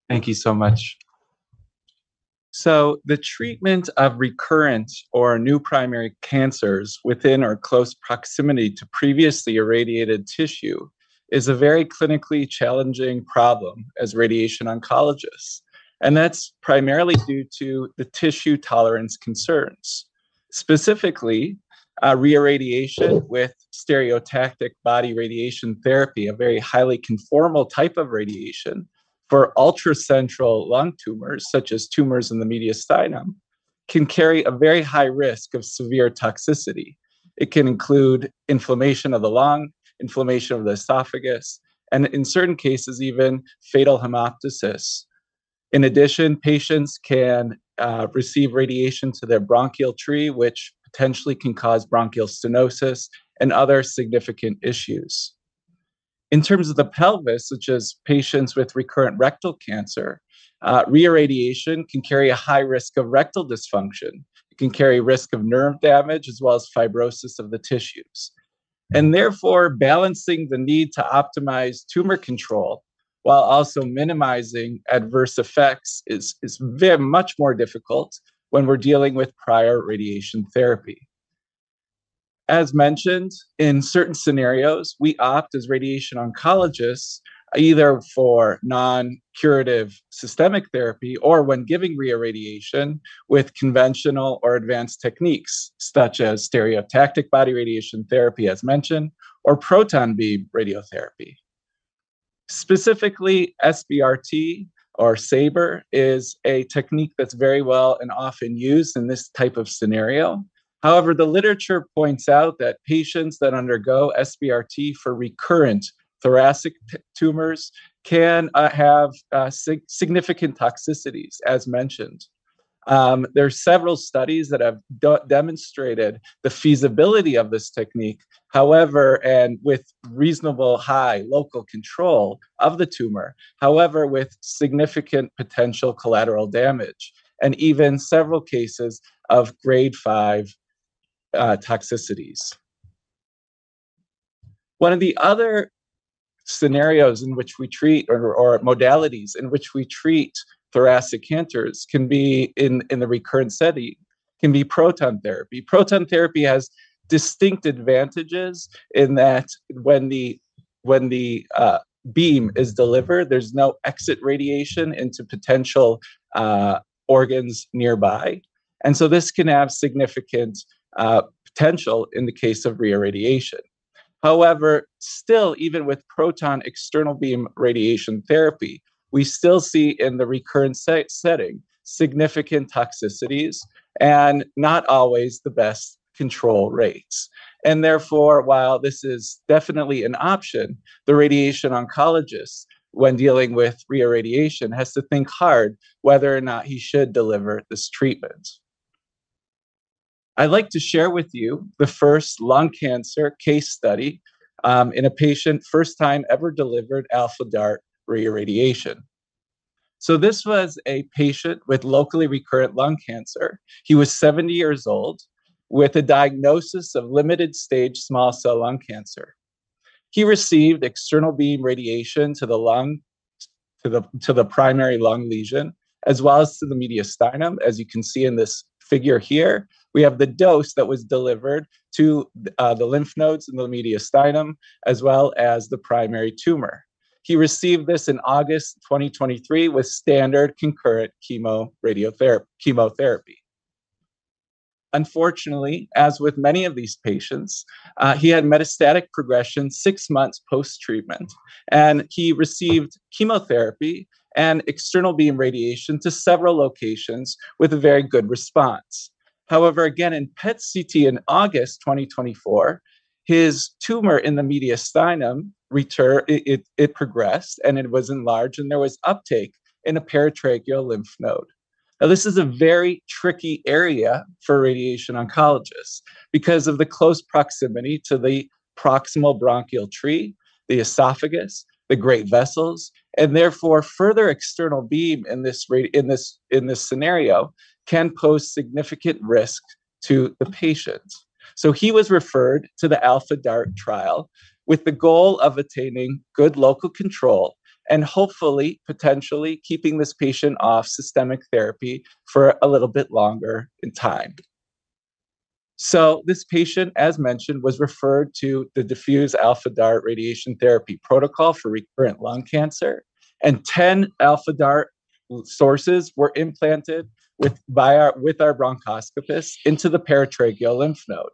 Thank you so much. So the treatment of recurrent or new primary cancers within or close proximity to previously irradiated tissue is a very clinically challenging problem as radiation oncologists. And that's primarily due to the tissue tolerance concerns. Specifically, re-irradiation with stereotactic body radiation therapy, a very highly conformal type of radiation for ultracentral lung tumors, such as tumors in the mediastinum, can carry a very high risk of severe toxicity. It can include inflammation of the lung, inflammation of the esophagus, and in certain cases, even fatal hemoptysis. In addition, patients can receive radiation to their bronchial tree, which potentially can cause bronchial stenosis and other significant issues. In terms of the pelvis, such as patients with recurrent rectal cancer, re-irradiation can carry a high risk of rectal dysfunction. It can carry risk of nerve damage as well as fibrosis of the tissues. Therefore, balancing the need to optimize tumor control while also minimizing adverse effects is much more difficult when we're dealing with prior radiation therapy. As mentioned, in certain scenarios, we opt as radiation oncologists either for non-curative systemic therapy or when giving re-irradiation with conventional or advanced techniques, such as stereotactic body radiation therapy, as mentioned, or proton beam radiotherapy. Specifically, SBRT or SABR is a technique that's very well and often used in this type of scenario. However, the literature points out that patients that undergo SBRT for recurrent thoracic tumors can have significant toxicities, as mentioned. There are several studies that have demonstrated the feasibility of this technique, however, and with reasonable high local control of the tumor, however, with significant potential collateral damage and even several cases of grade 5 toxicities. One of the other scenarios in which we treat or modalities in which we treat thoracic cancers can be in the recurrent setting can be proton therapy. Proton therapy has distinct advantages in that when the beam is delivered, there's no exit radiation into potential organs nearby. And so this can have significant potential in the case of re-irradiation. However, still, even with proton external beam radiation therapy, we still see in the recurrent setting significant toxicities and not always the best control rates. And therefore, while this is definitely an option, the radiation oncologist, when dealing with re-irradiation, has to think hard whether or not he should deliver this treatment. I'd like to share with you the first lung cancer case study in a patient first time ever delivered Alpha DaRT re-irradiation. So this was a patient with locally recurrent lung cancer. He was 70 years old with a diagnosis of limited stage small cell lung cancer. He received external beam radiation to the primary lung lesion as well as to the mediastinum, as you can see in this figure here. We have the dose that was delivered to the lymph nodes in the mediastinum as well as the primary tumor. He received this in August 2023 with standard concurrent chemotherapy. Unfortunately, as with many of these patients, he had metastatic progression six months post-treatment. And he received chemotherapy and external beam radiation to several locations with a very good response. However, again, in PET CT in August 2024, his tumor in the mediastinum progressed and it was enlarged, and there was uptake in a peritracheal lymph node. Now, this is a very tricky area for radiation oncologists because of the close proximity to the proximal bronchial tree, the esophagus, the great vessels, and therefore further external beam in this scenario can pose significant risk to the patient. So he was referred to the Alpha DaRT trial with the goal of attaining good local control and hopefully, potentially keeping this patient off systemic therapy for a little bit longer in time. So this patient, as mentioned, was referred to the Diffusing Alpha DaRT radiation therapy protocol for recurrent lung cancer, and 10 Alpha DaRT sources were implanted with our bronchoscopists into the peritracheal lymph node.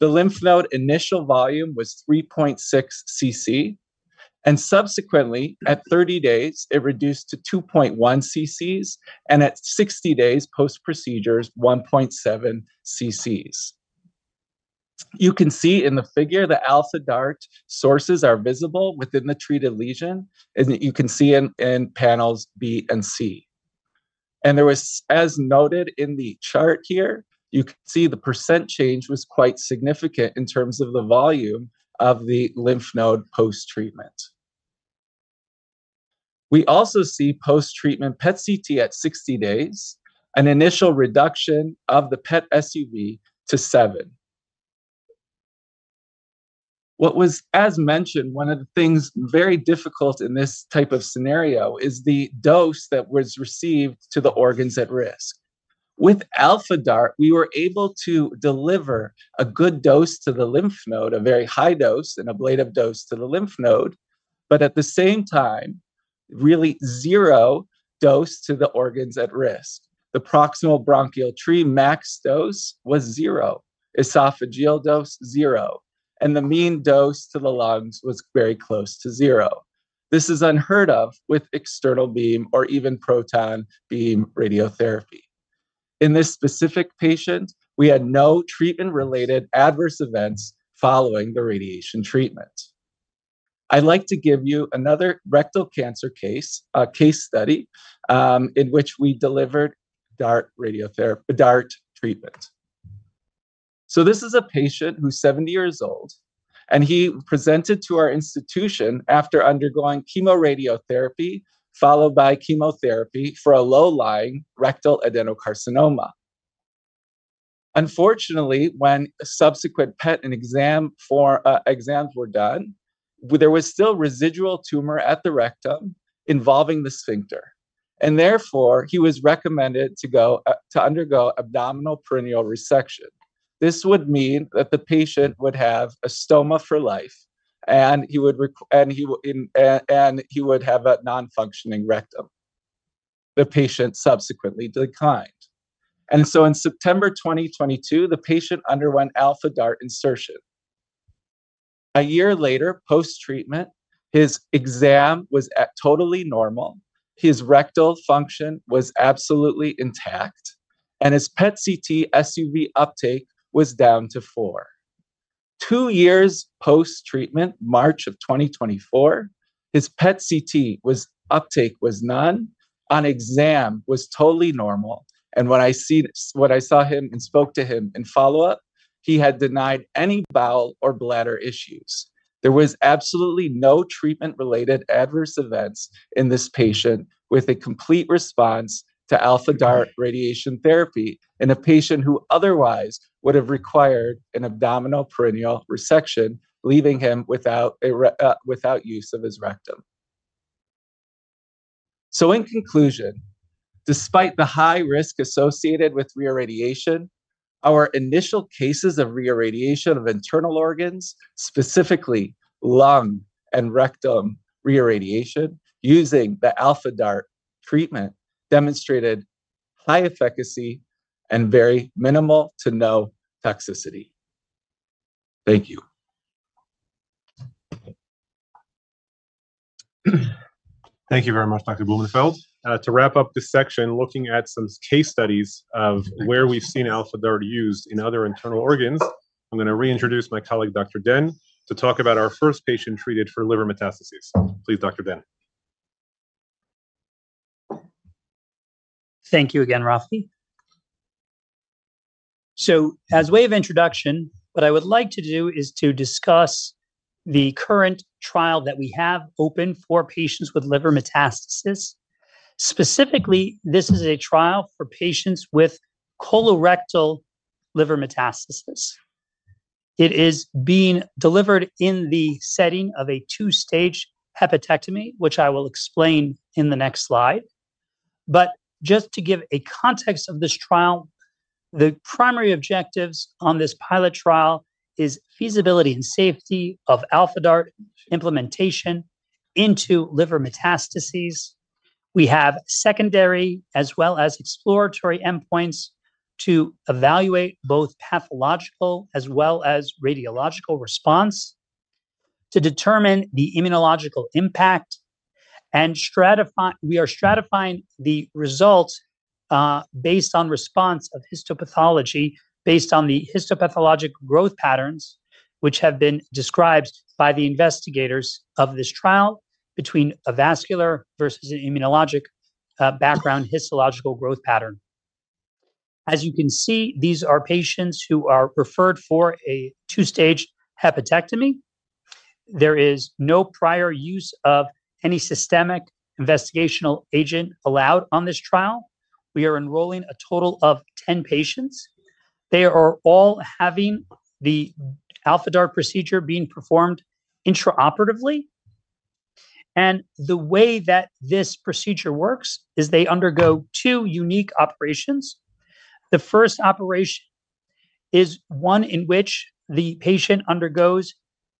The lymph node initial volume was 3.6 cc, and subsequently, at 30 days, it reduced to 2.1 ccs, and at 60 days post-procedures, 1.7 ccs. You can see in the figure the Alpha DaRT sources are visible within the treated lesion, and you can see in panels B and C. There was, as noted in the chart here, you can see the percent change was quite significant in terms of the volume of the lymph node post-treatment. We also see post-treatment PET-CT at 60 days, an initial reduction of the PET SUV to 7. What was, as mentioned, one of the things very difficult in this type of scenario is the dose that was received to the organs at risk. With Alpha DaRT, we were able to deliver a good dose to the lymph node, a very high dose, an ablative dose to the lymph node, but at the same time, really zero dose to the organs at risk. The proximal bronchial tree max dose was zero, esophageal dose zero, and the mean dose to the lungs was very close to zero. This is unheard of with external beam or even proton beam radiotherapy. In this specific patient, we had no treatment-related adverse events following the radiation treatment. I'd like to give you another rectal cancer case, a case study in which we delivered DaRT treatment. So this is a patient who's 70 years old, and he presented to our institution after undergoing chemoradiotherapy followed by chemotherapy for a low-lying rectal adenocarcinoma. Unfortunately, when subsequent PET exams were done, there was still residual tumor at the rectum involving the sphincter, and therefore, he was recommended to undergo abdominoperineal resection. This would mean that the patient would have a stoma for life, and he would have a non-functioning rectum. The patient subsequently declined. In September 2022, the patient underwent Alpha DaRT insertion. A year later, post-treatment, his exam was totally normal. His rectal function was absolutely intact, and his PET-CT SUV uptake was down to 4. Two years post-treatment, March of 2024, his PET-CT uptake was none. On exam, he was totally normal. When I saw him and spoke to him in follow-up, he had denied any bowel or bladder issues. There was absolutely no treatment-related adverse events in this patient with a complete response to Alpha DaRT radiation therapy in a patient who otherwise would have required an abdominoperineal resection, leaving him without use of his rectum. In conclusion, despite the high risk associated with re-irradiation, our initial cases of re-irradiation of internal organs, specifically lung and rectum re-irradiation using the Alpha DaRT treatment, demonstrated high efficacy and very minimal to no toxicity. Thank you. Thank you very much, Dr. Blumenfeld. To wrap up this section, looking at some case studies of where we've seen Alpha DaRT used in other internal organs, I'm going to reintroduce my colleague, Dr. Den, to talk about our first patient treated for liver metastases. Please, Dr. Den. Thank you again, Raphi, so as a way of introduction, what I would like to do is to discuss the current trial that we have open for patients with liver metastasis. Specifically, this is a trial for patients with colorectal liver metastasis. It is being delivered in the setting of a two-stage hepatectomy, which I will explain in the next slide, but just to give a context of this trial, the primary objectives on this pilot trial are feasibility and safety of Alpha DaRT implementation into liver metastases. We have secondary as well as exploratory endpoints to evaluate both pathological as well as radiological response to determine the immunological impact, and we are stratifying the results based on response of histopathology based on the histopathologic growth patterns, which have been described by the investigators of this trial between a vascular versus an immunologic background histological growth pattern. As you can see, these are patients who are referred for a two-stage hepatectomy. There is no prior use of any systemic investigational agent allowed on this trial. We are enrolling a total of 10 patients. They are all having the Alpha DaRT procedure being performed intraoperatively. And the way that this procedure works is they undergo two unique operations. The first operation is one in which the patient undergoes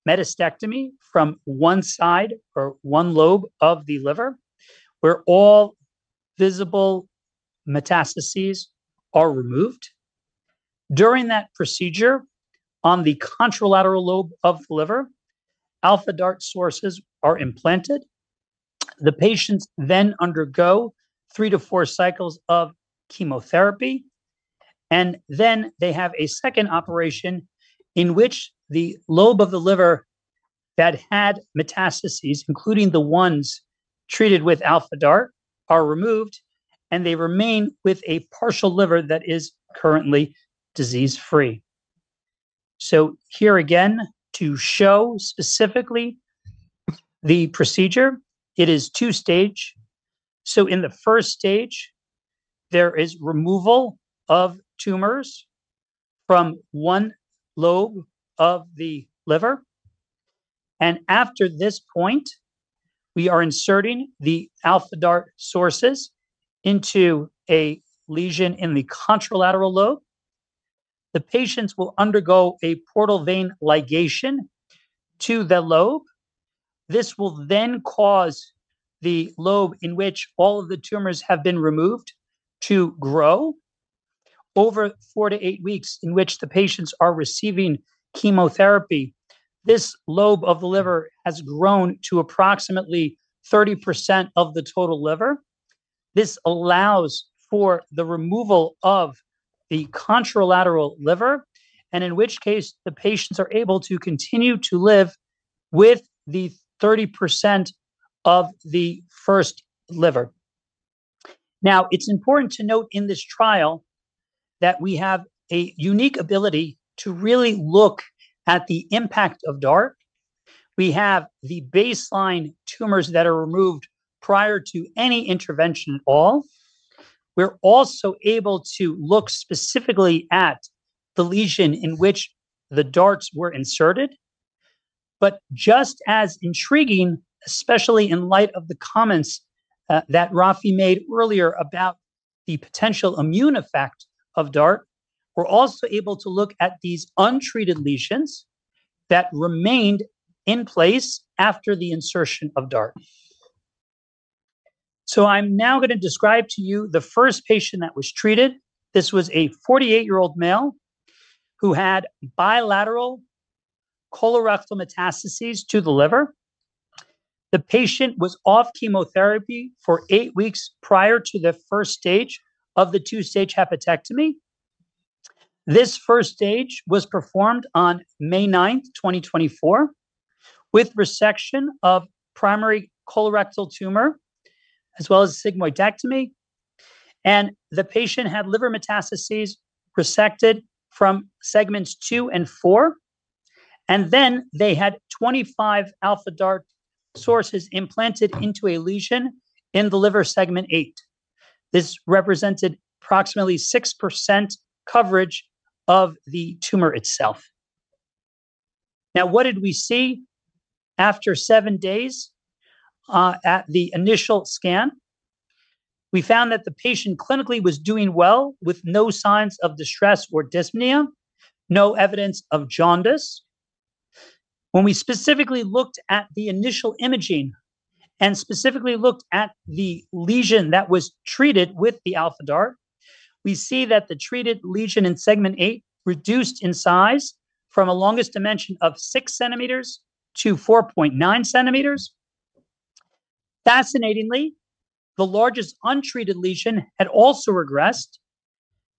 metastasectomy from one side or one lobe of the liver where all visible metastases are removed. During that procedure, on the contralateral lobe of the liver, Alpha DaRT sources are implanted. The patients then undergo three to four cycles of chemotherapy. And then they have a second operation in which the lobe of the liver that had metastases, including the ones treated with Alpha DaRT, are removed, and they remain with a partial liver that is currently disease-free. Here again, to show specifically the procedure, it is two-stage. In the first stage, there is removal of tumors from one lobe of the liver. After this point, we are inserting the Alpha DaRT sources into a lesion in the contralateral lobe. The patients will undergo a portal vein ligation to the lobe. This will then cause the lobe in which all of the tumors have been removed to grow. Over four to eight weeks in which the patients are receiving chemotherapy, this lobe of the liver has grown to approximately 30% of the total liver. This allows for the removal of the contralateral liver, and in which case, the patients are able to continue to live with the 30% of the first liver. Now, it is important to note in this trial that we have a unique ability to really look at the impact of DaRT. We have the baseline tumors that are removed prior to any intervention at all. We're also able to look specifically at the lesion in which the DaRTs were inserted, but just as intriguing, especially in light of the comments that Raphi made earlier about the potential immune effect of DaRT, we're also able to look at these untreated lesions that remained in place after the insertion of DaRT, so I'm now going to describe to you the first patient that was treated. This was a 48-year-old male who had bilateral colorectal metastases to the liver. The patient was off chemotherapy for eight weeks prior to the first stage of the two-stage hepatectomy. This first stage was performed on May 9, 2024, with resection of primary colorectal tumor as well as sigmoidectomy, and the patient had liver metastases resected from segments two and four. Then they had 25 Alpha DaRT sources implanted into a lesion in the liver segment eight. This represented approximately 6% coverage of the tumor itself. Now, what did we see after seven days at the initial scan? We found that the patient clinically was doing well with no signs of distress or dyspnea, no evidence of jaundice. When we specifically looked at the initial imaging and specifically looked at the lesion that was treated with the Alpha DaRT, we see that the treated lesion in segment eight reduced in size from a longest dimension of 6 cm to 4.9 cm. Fascinatingly, the largest untreated lesion had also regressed,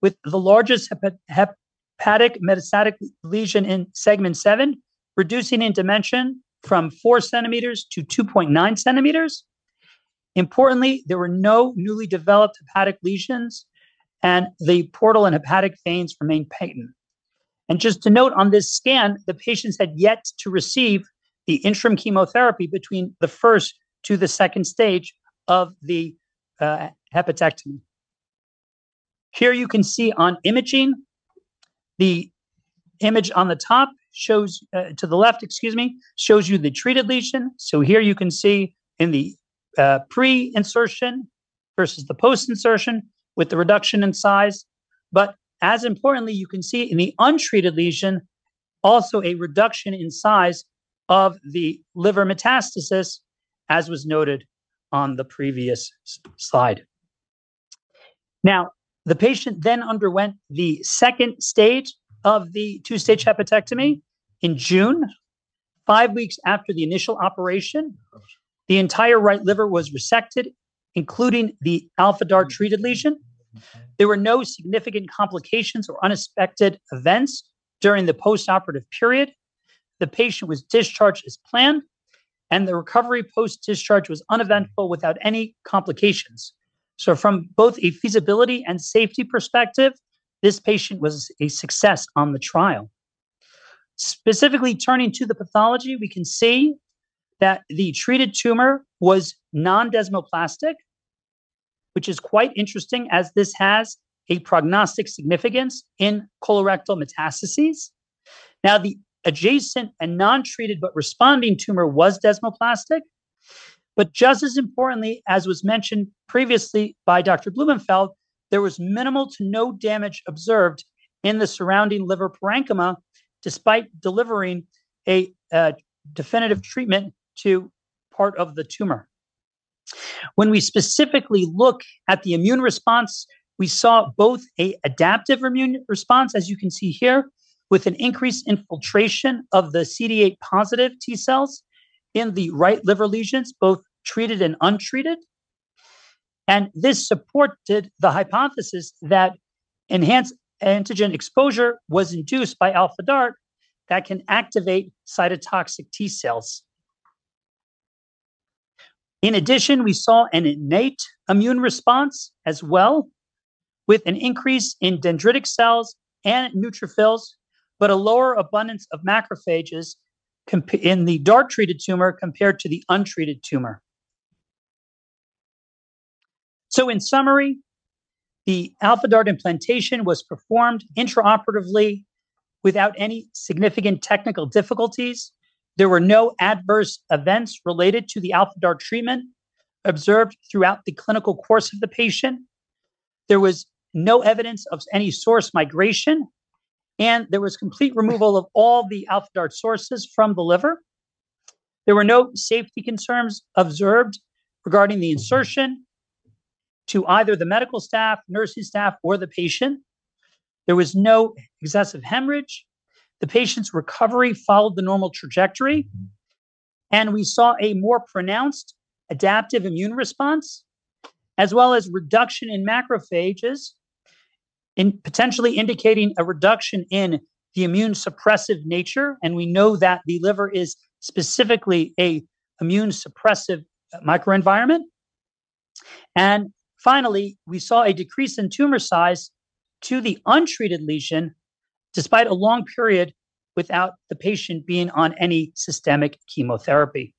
with the largest hepatic metastatic lesion in segment seven reducing in dimension from 4 cm to 2.9 cm. Importantly, there were no newly developed hepatic lesions, and the portal and hepatic veins remained patent. And just to note, on this scan, the patients had yet to receive the interim chemotherapy between the first to the second stage of the hepatectomy. Here you can see on imaging, the image on the top shows to the left, excuse me, shows you the treated lesion. So here you can see in the pre-insertion versus the post-insertion with the reduction in size. But as importantly, you can see in the untreated lesion also a reduction in size of the liver metastasis, as was noted on the previous slide. Now, the patient then underwent the second stage of the two-stage hepatectomy in June, five weeks after the initial operation. The entire right liver was resected, including the Alpha DaRT treated lesion. There were no significant complications or unexpected events during the postoperative period. The patient was discharged as planned, and the recovery post-discharge was uneventful without any complications. So from both a feasibility and safety perspective, this patient was a success on the trial. Specifically turning to the pathology, we can see that the treated tumor was non-desmoplastic, which is quite interesting as this has a prognostic significance in colorectal metastases. Now, the adjacent and non-treated but responding tumor was desmoplastic. But just as importantly, as was mentioned previously by Dr. Blumenfeld, there was minimal to no damage observed in the surrounding liver parenchyma despite delivering a definitive treatment to part of the tumor. When we specifically look at the immune response, we saw both an adaptive immune response, as you can see here, with an increased infiltration of the CD8 positive T cells in the right liver lesions, both treated and untreated. And this supported the hypothesis that enhanced antigen exposure was induced by Alpha DaRT that can activate cytotoxic T cells. In addition, we saw an innate immune response as well, with an increase in dendritic cells and neutrophils, but a lower abundance of macrophages in the DaRT-treated tumor compared to the untreated tumor. So in summary, the Alpha DaRT implantation was performed intraoperatively without any significant technical difficulties. There were no adverse events related to the Alpha DaRT treatment observed throughout the clinical course of the patient. There was no evidence of any source migration, and there was complete removal of all the Alpha DaRT sources from the liver. There were no safety concerns observed regarding the insertion to either the medical staff, nursing staff, or the patient. There was no excessive hemorrhage. The patient's recovery followed the normal trajectory, and we saw a more pronounced adaptive immune response as well as reduction in macrophages, potentially indicating a reduction in the immune suppressive nature. We know that the liver is specifically an immunosuppressive microenvironment. Finally, we saw a decrease in tumor size in the untreated lesion despite a long period without the patient being on any systemic chemotherapy.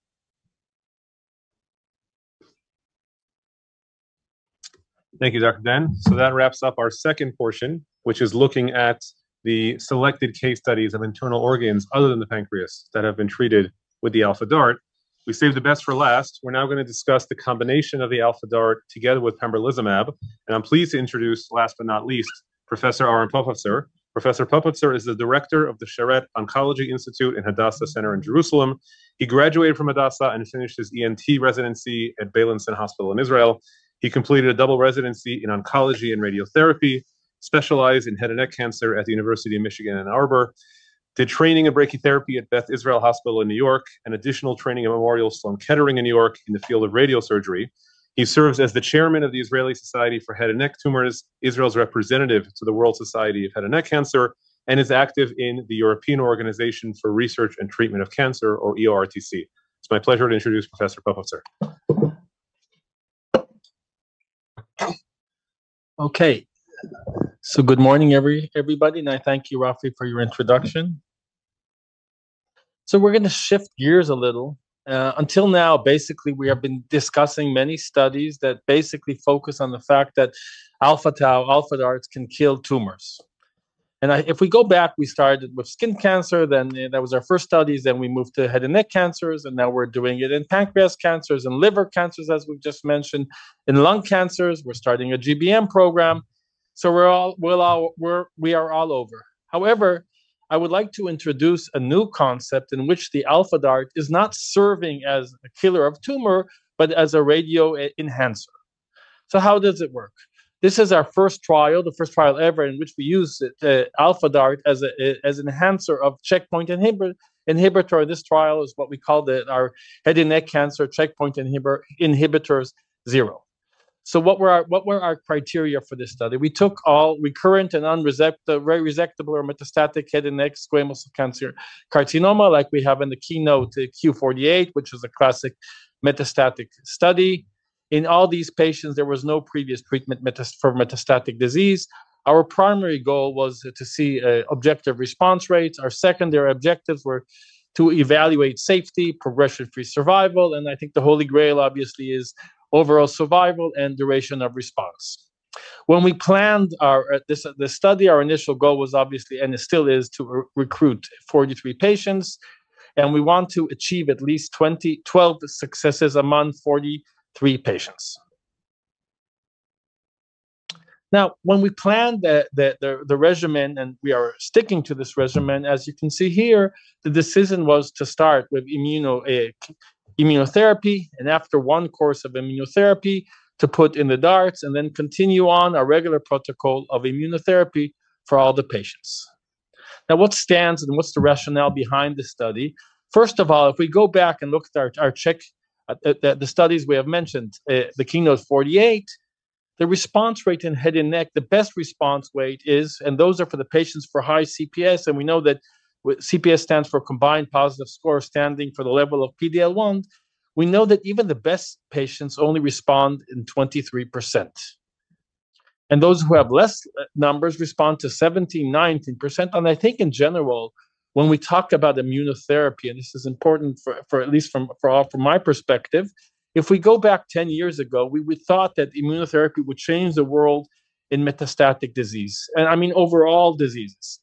Thank you, Dr. Den. That wraps up our second portion, which is looking at the selected case studies of internal organs other than the pancreas that have been treated with the Alpha DaRT. We saved the best for last. We're now going to discuss the combination of the Alpha DaRT together with pembrolizumab, and I'm pleased to introduce, last but not least, Professor Aron Popovtzer. Professor Popovtzer is the director of the Sharett Institute of Oncology at Hadassah Medical Center in Jerusalem. He graduated from Hadassah and finished his ENT residency at Beilinson Hospital in Israel. He completed a double residency in oncology and radiotherapy, specialized in head and neck cancer at the University of Michigan in Ann Arbor, did training in brachytherapy at Beth Israel Hospital in New York, and additional training at Memorial Sloan Kettering in New York in the field of radiosurgery. He serves as the chairman of the Israeli Society for Head and Neck Tumors, Israel's representative to the World Society of Head and Neck Cancer, and is active in the European Organisation for Research and Treatment of Cancer, or EORTC. It's my pleasure to introduce Professor Popovtzer. Okay. So good morning, everybody. I thank you, Raphi, for your introduction. We're going to shift gears a little. Until now, basically, we have been discussing many studies that basically focus on the fact that Alpha DaRT can kill tumors. If we go back, we started with skin cancer, then that was our first studies. Then we moved to head and neck cancers, and now we're doing it in pancreas cancers and liver cancers, as we've just mentioned, in lung cancers. We're starting a GBM program. We are all over. However, I would like to introduce a new concept in which the Alpha DaRT is not serving as a killer of tumor, but as a radio enhancer. How does it work? This is our first trial, the first trial ever in which we used the Alpha DaRT as an enhancer of checkpoint inhibitor. This trial is what we called our head and neck cancer checkpoint inhibitors zero, so what were our criteria for this study? We took all recurrent and unresectable, very resectable or metastatic head and neck squamous cell carcinoma, like we have in the KEYNOTE-048, which is a classic metastatic study. In all these patients, there was no previous treatment for metastatic disease. Our primary goal was to see objective response rates. Our secondary objectives were to evaluate safety, progression-free survival, and I think the Holy Grail, obviously, is overall survival and duration of response. When we planned this study, our initial goal was obviously, and it still is, to recruit 43 patients, and we want to achieve at least 12 successes a month, 43 patients. Now, when we planned the regimen, and we are sticking to this regimen, as you can see here, the decision was to start with immunotherapy and after one course of immunotherapy to put in the DaRTs and then continue on a regular protocol of immunotherapy for all the patients. Now, what stands and what's the rationale behind this study? First of all, if we go back and look at our check, the studies we have mentioned, the KEYNOTE-048, the response rate in head and neck, the best response rate is, and those are for the patients for high CPS. And we know that CPS stands for Combined Positive Score standing for the level of PD-L1. We know that even the best patients only respond in 23%. And those who have less numbers respond to 17%, 19%. I think in general, when we talk about immunotherapy, and this is important for at least from my perspective, if we go back 10 years ago, we thought that immunotherapy would change the world in metastatic disease, and I mean overall diseases.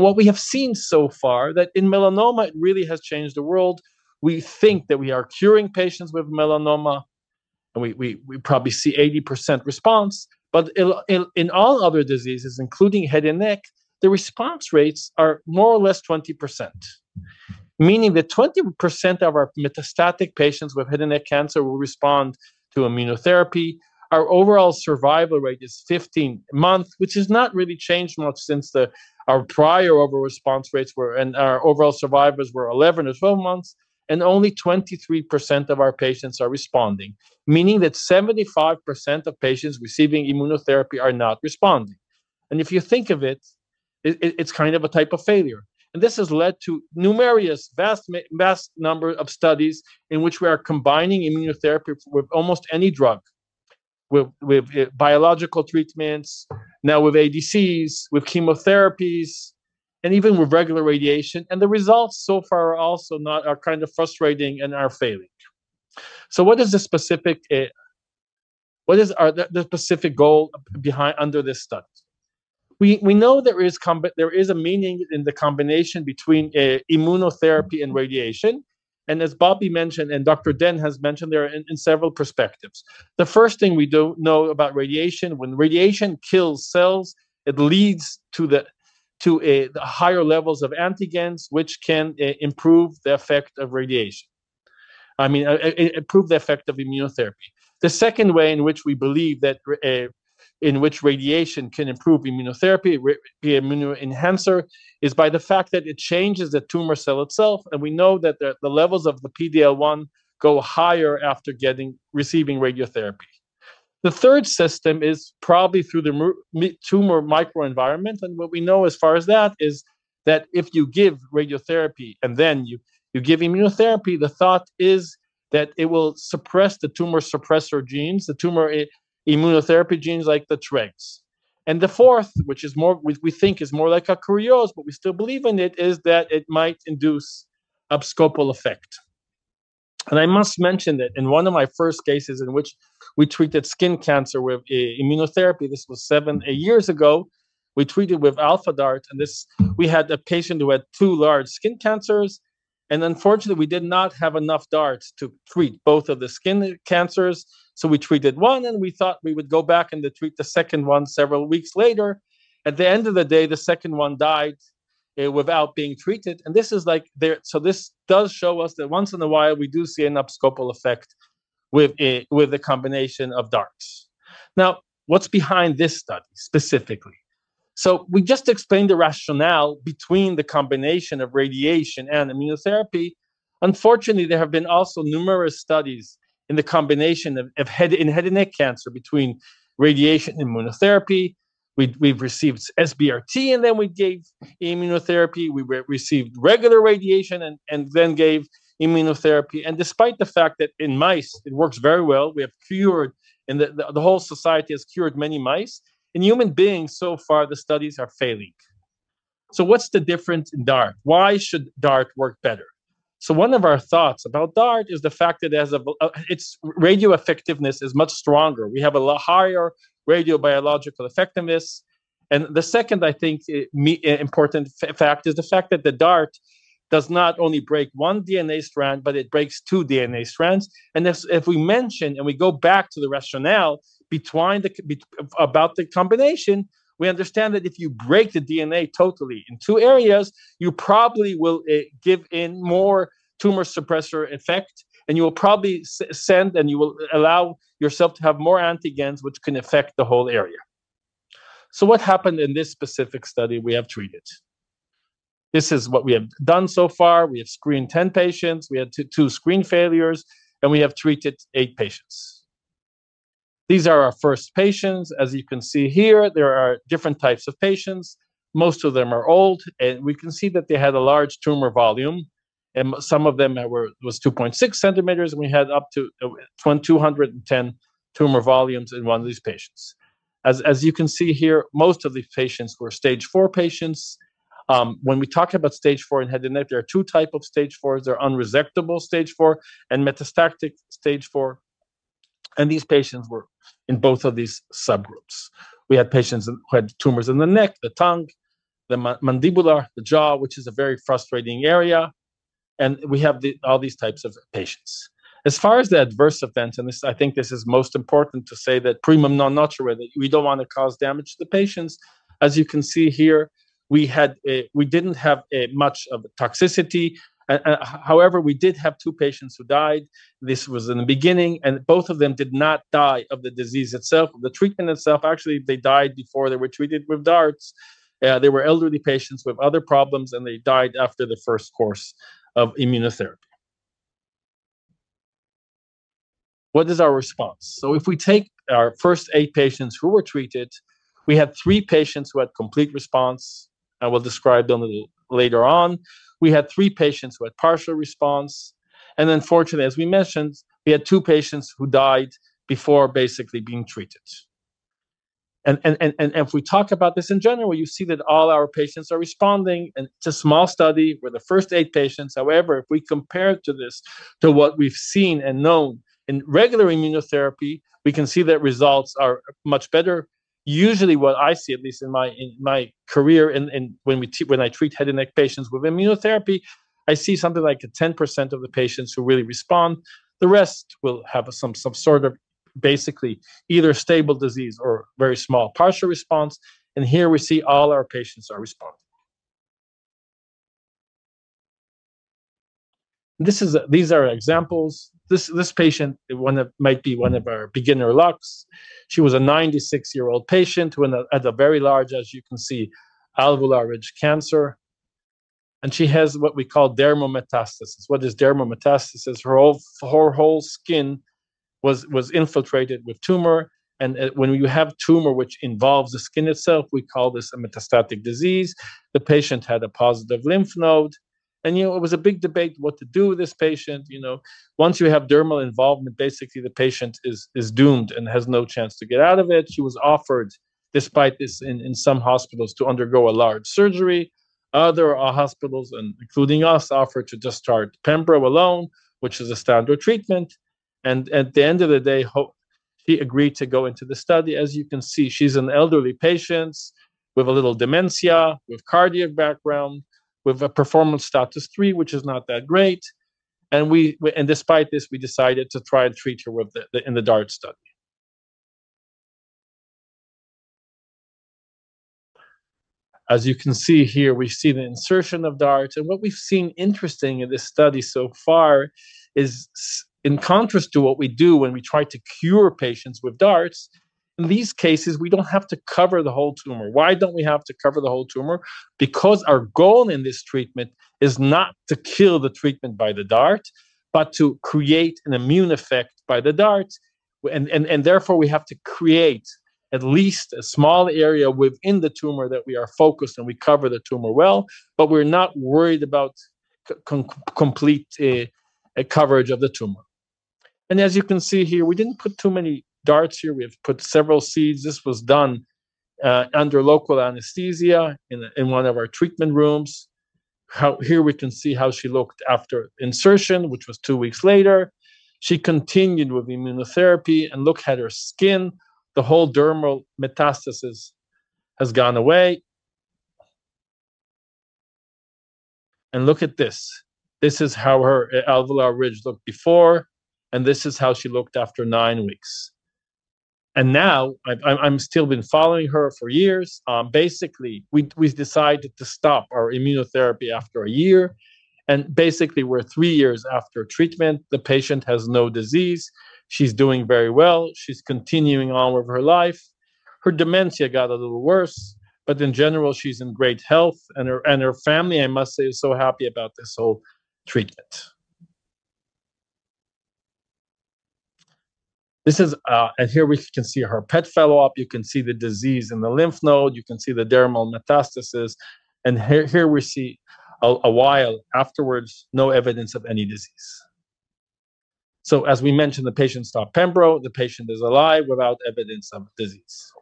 What we have seen so far is that in melanoma, it really has changed the world. We think that we are curing patients with melanoma, and we probably see 80% response. In all other diseases, including head and neck, the response rates are more or less 20%, meaning that 20% of our metastatic patients with head and neck cancer will respond to immunotherapy. Our overall survival rate is 15 months, which has not really changed much since our prior overall response rates were and our overall survivors were 11 or 12 months. Only 23% of our patients are responding, meaning that 75% of patients receiving immunotherapy are not responding. If you think of it, it's kind of a type of failure. This has led to numerous vast number of studies in which we are combining immunotherapy with almost any drug, with biological treatments, now with ADCs, with chemotherapies, and even with regular radiation. The results so far are also not kind of frustrating and are failing. What is the specific, what is the specific goal behind under this study? We know there is a meaning in the combination between immunotherapy and radiation. As Bobby mentioned and Dr. Den has mentioned, there are several perspectives. The first thing we do know about radiation, when radiation kills cells, it leads to the higher levels of antigens, which can improve the effect of radiation, I mean, improve the effect of immunotherapy. The second way in which we believe radiation can improve immunotherapy, immunoenhancer, is by the fact that it changes the tumor cell itself. We know that the levels of the PD-L1 go higher after receiving radiotherapy. The third system is probably through the tumor microenvironment. What we know as far as that is that if you give radiotherapy and then you give immunotherapy, the thought is that it will suppress the tumor suppressor genes, the tumor immunotherapy genes like the Tregs. The fourth, which we think is more like a curious, but we still believe in it, is that it might induce abscopal effect. I must mention that in one of my first cases in which we treated skin cancer with immunotherapy, this was seven years ago, we treated with Alpha DaRT. We had a patient who had two large skin cancers. Unfortunately, we did not have enough DaRTs to treat both of the skin cancers. We treated one, and we thought we would go back and treat the second one several weeks later. At the end of the day, the second one died without being treated. This is like there. This does show us that once in a while, we do see an abscopal effect with the combination of DaRTs. Now, what's behind this study specifically? We just explained the rationale between the combination of radiation and immunotherapy. Unfortunately, there have been also numerous studies in the combination of head and neck cancer between radiation and immunotherapy. We've received SBRT, and then we gave immunotherapy. We received regular radiation and then gave immunotherapy. And despite the fact that in mice, it works very well, we have cured, and the whole society has cured many mice. In human beings, so far, the studies are failing. What's the difference in DaRT? Why should DaRT work better? One of our thoughts about DaRT is the fact that its radiobiological effectiveness is much stronger. We have a lot higher radiobiological effectiveness. The second, I think, important fact is the fact that the DaRT does not only break one DNA strand, but it breaks two DNA strands. If we mention, and we go back to the rationale about the combination, we understand that if you break the DNA totally in two areas, you probably will give in more tumor suppressor effect, and you will probably send, and you will allow yourself to have more antigens, which can affect the whole area. So what happened in this specific study we have treated? This is what we have done so far. We have screened 10 patients. We had two screen failures, and we have treated eight patients. These are our first patients. As you can see here, there are different types of patients. Most of them are old, and we can see that they had a large tumor volume. And some of them were 2.6 centimeters, and we had up to 210 tumor volumes in one of these patients. As you can see here, most of these patients were stage IV patients. When we talk about stage IV and head and neck, there are two types of stage IVs. There are unresectable stage IV and metastatic stage IV, and these patients were in both of these subgroups. We had patients who had tumors in the neck, the tongue, the mandible, the jaw, which is a very frustrating area, and we have all these types of patients. As far as the adverse events and I think this is most important to say that primarily non-melanoma, we don't want to cause damage to the patients. As you can see here, we didn't have much of toxicity. However, we did have two patients who died. This was in the beginning, and both of them did not die of the disease itself, of the treatment itself. Actually, they died before they were treated with DaRTs. They were elderly patients with other problems, and they died after the first course of immunotherapy. What is our response? So if we take our first eight patients who were treated, we had three patients who had complete response, and we'll describe them later on. We had three patients who had partial response. And unfortunately, as we mentioned, we had two patients who died before basically being treated. And if we talk about this in general, you see that all our patients are responding. And it's a small study. We're the first eight patients. However, if we compare to this, to what we've seen and known in regular immunotherapy, we can see that results are much better. Usually, what I see, at least in my career, and when I treat head and neck patients with immunotherapy, I see something like 10% of the patients who really respond. The rest will have some sort of basically either stable disease or very small partial response, and here we see all our patients are responding. These are examples. This patient, it might be one of our Beilinson or Benelux. She was a 96-year-old patient who had a very large, as you can see, alveolar ridge cancer, and she has what we call dermal metastasis. What is dermal metastasis? Her whole skin was infiltrated with tumor, and when you have tumor which involves the skin itself, we call this a metastatic disease. The patient had a positive lymph node, and it was a big debate what to do with this patient. Once you have dermal involvement, basically, the patient is doomed and has no chance to get out of it. She was offered, despite this in some hospitals, to undergo a large surgery. Other hospitals, including us, offered to just start pembro alone, which is a standard treatment, and at the end of the day, she agreed to go into the study. As you can see, she's an elderly patient with a little dementia, with cardiac background, with a performance status III, which is not that great, and despite this, we decided to try and treat her in the DaRT study. As you can see here, we see the insertion of DaRTs, and what we've seen interesting in this study so far is, in contrast to what we do when we try to cure patients with DaRTs, in these cases, we don't have to cover the whole tumor. Why don't we have to cover the whole tumor? Because our goal in this treatment is not to kill the treatment by the DaRT, but to create an immune effect by the DaRTs. And therefore, we have to create at least a small area within the tumor that we are focused on. We cover the tumor well, but we're not worried about complete coverage of the tumor. And as you can see here, we didn't put too many DaRTs here. We have put several seeds. This was done under local anesthesia in one of our treatment rooms. Here we can see how she looked after insertion, which was two weeks later. She continued with immunotherapy and looked at her skin. The whole dermal metastasis has gone away. And look at this. This is how her alveolar ridge looked before, and this is how she looked after nine weeks. Now I'm still been following her for years. Basically, we decided to stop our immunotherapy after a year. Basically, we're three years after treatment. The patient has no disease. She's doing very well. She's continuing on with her life. Her dementia got a little worse, but in general, she's in great health. Her family, I must say, is so happy about this whole treatment. Here we can see her PET follow-up. You can see the disease in the lymph node. You can see the dermal metastasis. Here we see a while afterwards, no evidence of any disease. As we mentioned, the patient stopped pembro. The patient is alive without evidence of disease.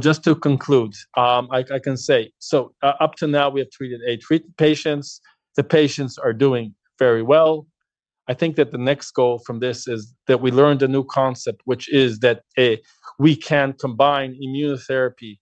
Just to conclude, I can say, so up to now, we have treated eight patients. The patients are doing very well. I think that the next goal from this is that we learned a new concept, which is that we can combine immunotherapy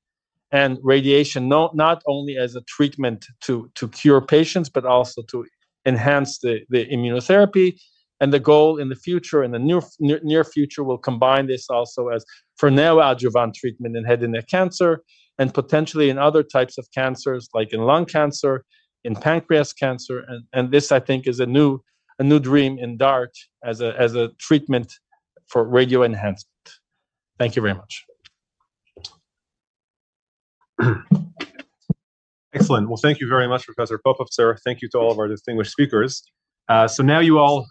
and radiation not only as a treatment to cure patients, but also to enhance the immunotherapy. And the goal in the future, in the near future, we'll combine this also as for now adjuvant treatment in head and neck cancer and potentially in other types of cancers, like in lung cancer, in pancreas cancer. And this, I think, is a new dream in DaRT as a treatment for radio enhancement. Thank you very much. Excellent. Well, thank you very much, Professor Popovtzer. Thank you to all of our distinguished speakers. So now you've all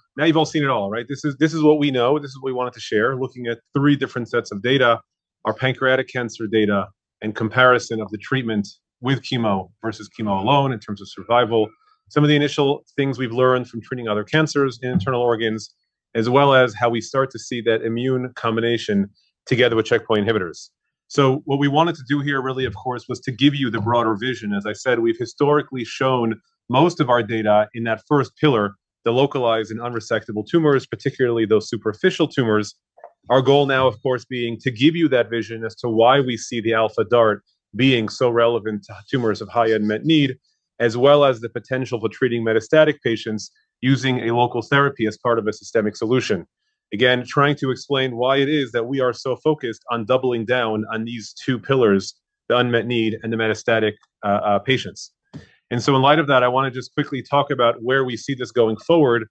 seen it all, right? This is what we know. This is what we wanted to share, looking at three different sets of data: our pancreatic cancer data and comparison of the treatment with chemo versus chemo alone in terms of survival, some of the initial things we've learned from treating other cancers in internal organs, as well as how we start to see that immune combination together with checkpoint inhibitors. So what we wanted to do here really, of course, was to give you the broader vision. As I said, we've historically shown most of our data in that first pillar, the localized and unresectable tumors, particularly those superficial tumors. Our goal now, of course, being to give you that vision as to why we see the Alpha DaRT being so relevant to tumors of high unmet need, as well as the potential for treating metastatic patients using a local therapy as part of a systemic solution. Again, trying to explain why it is that we are so focused on doubling down on these two pillars, the unmet need and the metastatic patients. And so in light of that, I want to just quickly talk about where we see this going forward.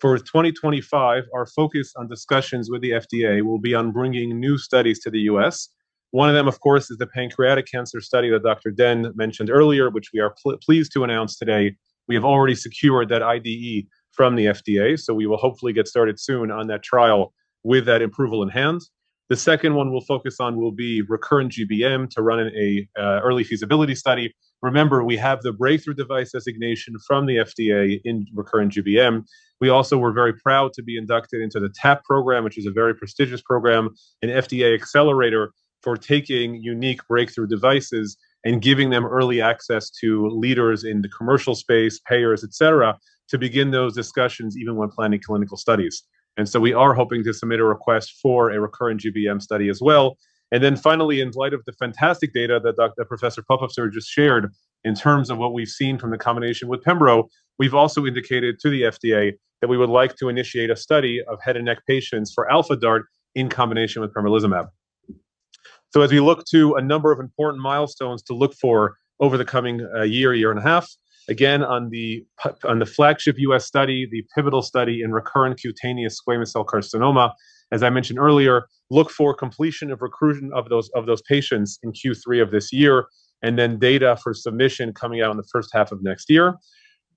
For 2025, our focus on discussions with the FDA will be on bringing new studies to the U.S. One of them, of course, is the pancreatic cancer study that Dr. Den mentioned earlier, which we are pleased to announce today. We have already secured that IDE from the FDA. So we will hopefully get started soon on that trial with that approval in hand. The second one we'll focus on will be recurrent GBM to run an early feasibility study. Remember, we have the breakthrough device designation from the FDA in recurrent GBM. We also were very proud to be inducted into the TAP program, which is a very prestigious program, an FDA accelerator for taking unique breakthrough devices and giving them early access to leaders in the commercial space, payers, etc., to begin those discussions even when planning clinical studies. And so we are hoping to submit a request for a recurrent GBM study as well. And then finally, in light of the fantastic data that Professor Popovtzer just shared in terms of what we've seen from the combination with pembro, we've also indicated to the FDA that we would like to initiate a study of head and neck patients for Alpha DaRT in combination with pembrolizumab. So as we look to a number of important milestones to look for over the coming year, year and a half, again, on the flagship U.S. study, the pivotal study in recurrent cutaneous squamous cell carcinoma, as I mentioned earlier. Look for completion of recruitment of those patients in Q3 of this year, and then data for submission coming out in the first half of next year.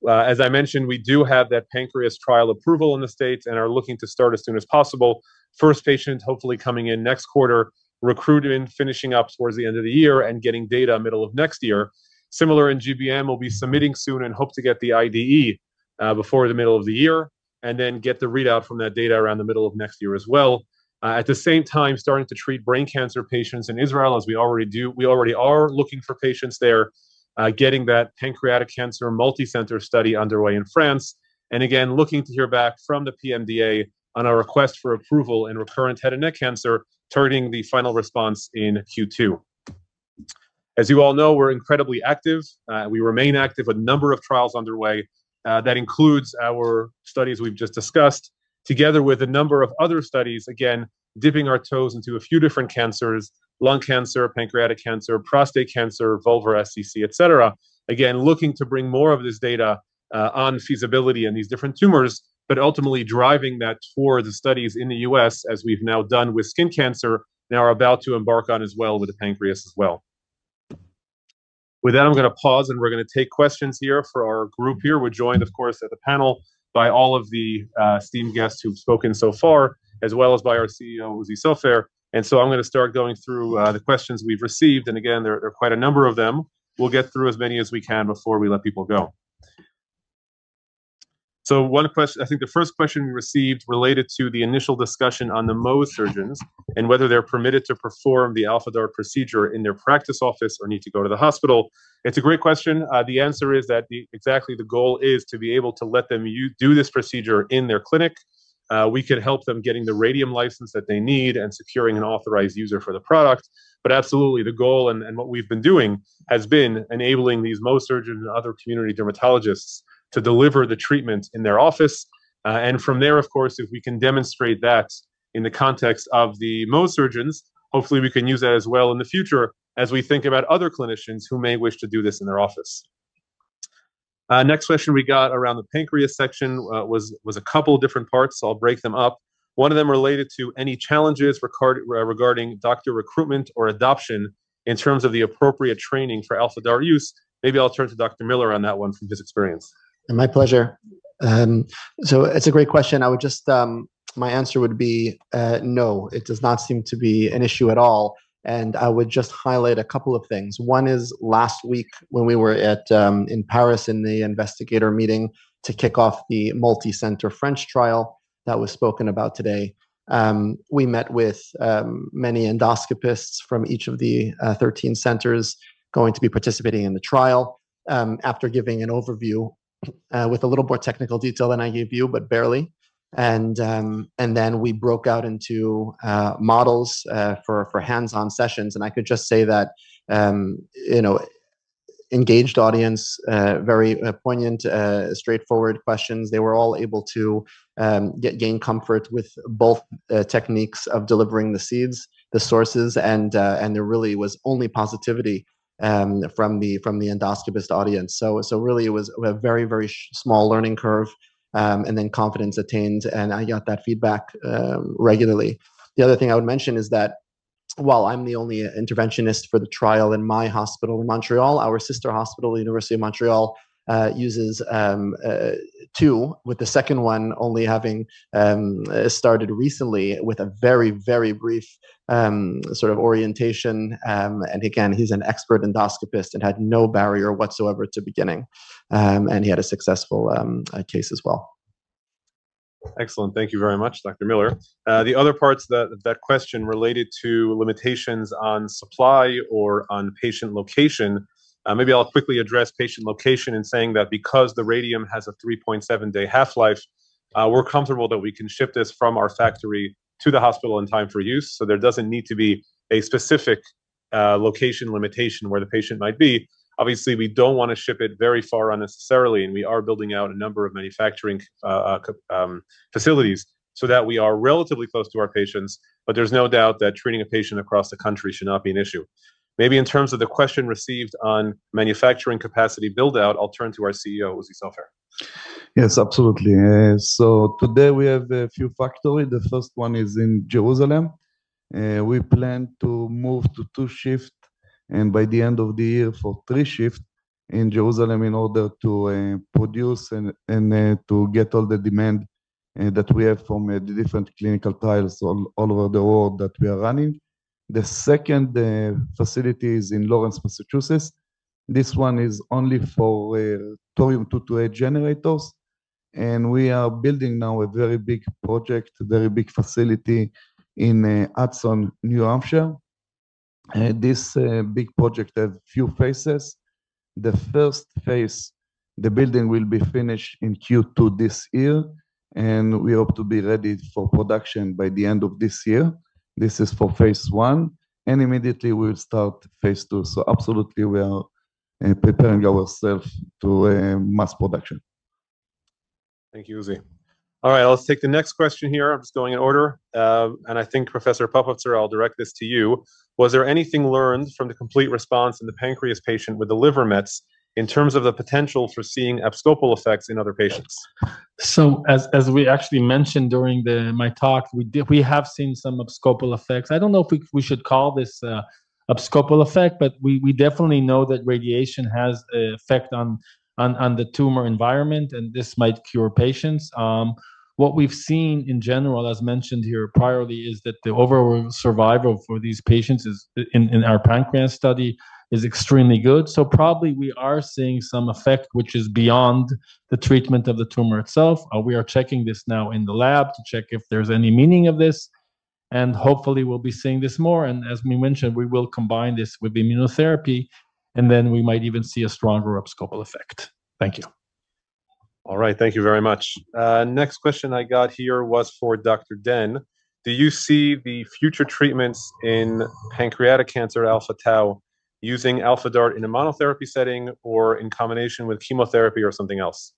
As I mentioned, we do have that pancreas trial approval in the States and are looking to start as soon as possible. First patient hopefully coming in next quarter, recruiting, finishing up towards the end of the year and getting data middle of next year. Similar in GBM, we'll be submitting soon and hope to get the IDE before the middle of the year and then get the readout from that data around the middle of next year as well. At the same time, starting to treat brain cancer patients in Israel, as we already do. We already are looking for patients there, getting that pancreatic cancer multi-center study underway in France, and again, looking to hear back from the PMDA on our request for approval in recurrent head and neck cancer, turning the final response in Q2. As you all know, we're incredibly active. We remain active with a number of trials underway. That includes our studies we've just discussed, together with a number of other studies, again, dipping our toes into a few different cancers: lung cancer, pancreatic cancer, prostate cancer, vulvar SCC, etc. Again, looking to bring more of this data on feasibility in these different tumors, but ultimately driving that towards the studies in the U.S., as we've now done with skin cancer, and are about to embark on as well with the pancreas as well. With that, I'm going to pause, and we're going to take questions here for our group here. We're joined, of course, at the panel by all of the esteemed guests who've spoken so far, as well as by our CEO, Uzi Sofer. And so I'm going to start going through the questions we've received. And again, there are quite a number of them. We'll get through as many as we can before we let people go. So one question, I think the first question we received related to the initial discussion on the Mohs surgeons and whether they're permitted to perform the Alpha DaRT procedure in their practice office or need to go to the hospital. It's a great question. The answer is that exactly the goal is to be able to let them do this procedure in their clinic. We can help them getting the radium license that they need and securing an authorized user for the product. But absolutely, the goal and what we've been doing has been enabling these Mohs surgeons and other community dermatologists to deliver the treatment in their office. And from there, of course, if we can demonstrate that in the context of the Mohs surgeons, hopefully we can use that as well in the future as we think about other clinicians who may wish to do this in their office. Next question we got around the pancreas section was a couple of different parts. I'll break them up. One of them related to any challenges regarding doctor recruitment or adoption in terms of the appropriate training for Alpha DaRT use. Maybe I'll turn to Dr. Miller on that one from his experience. My pleasure. So it's a great question. My answer would be no. It does not seem to be an issue at all, and I would just highlight a couple of things. One is last week when we were in Paris in the investigator meeting to kick off the multi-center French trial that was spoken about today, we met with many endoscopists from each of the 13 centers going to be participating in the trial after giving an overview with a little more technical detail than I gave you, but barely, and then we broke out into models for hands-on sessions, and I could just say, that engaged audience, very poignant, straightforward questions. They were all able to gain comfort with both techniques of delivering the seeds, the sources, and there really was only positivity from the endoscopist audience, so really, it was a very, very small learning curve, and then confidence attained. I got that feedback regularly. The other thing I would mention is that while I'm the only interventionist for the trial in my hospital in Montreal, our sister hospital, the Université de Montréal, uses two, with the second one only having started recently with a very, very brief sort of orientation. And again, he's an expert endoscopist and had no barrier whatsoever to beginning. And he had a successful case as well. Excellent. Thank you very much, Dr. Miller. The other parts of that question related to limitations on supply or on patient location. Maybe I'll quickly address patient location in saying that because the radium has a 3.7-day half-life, we're comfortable that we can ship this from our factory to the hospital in time for use. So there doesn't need to be a specific location limitation where the patient might be. Obviously, we don't want to ship it very far unnecessarily, and we are building out a number of manufacturing facilities so that we are relatively close to our patients, but there's no doubt that treating a patient across the country should not be an issue. Maybe in terms of the question received on manufacturing capacity build-out, I'll turn to our CEO, Uzi Sofer. Yes, absolutely, so today we have a few factories. The first one is in Jerusalem. We plan to move to two shifts and by the end of the year for three shifts in Jerusalem in order to produce and to get all the demand that we have from the different clinical trials all over the world that we are running. The second facility is in Lawrence, Massachusetts. This one is only for Thorium-228 generators. We are building now a very big project, very big facility in Hudson, New Hampshire. This big project has a few phases. The first phase, the building will be finished in Q2 this year. We hope to be ready for production by the end of this year. This is for phase one. Immediately, we'll start phase two. Absolutely, we are preparing ourselves to mass production. Thank you, Uzi. All right, I'll take the next question here. I'm just going in order. I think, Professor Popovtzer, I'll direct this to you. Was there anything learned from the complete response in the pancreas patient with the liver mets in terms of the potential for seeing abscopal effects in other patients? As we actually mentioned during my talk, we have seen some abscopal effects. I don't know if we should call this abscopal effect, but we definitely know that radiation has an effect on the tumor environment, and this might cure patients. What we've seen in general, as mentioned here previously, is that the overall survival for these patients in our pancreas study is extremely good, so probably we are seeing some effect, which is beyond the treatment of the tumor itself. We are checking this now in the lab to check if there's any meaning of this, and hopefully, we'll be seeing this more. And as we mentioned, we will combine this with immunotherapy, and then we might even see a stronger abscopal effect. Thank you. All right, thank you very much. Next question I got here was for Dr. Den. Do you see the future treatments in pancreatic cancer, Alpha Tau, using Alpha DaRT in a monotherapy setting or in combination with chemotherapy or something else?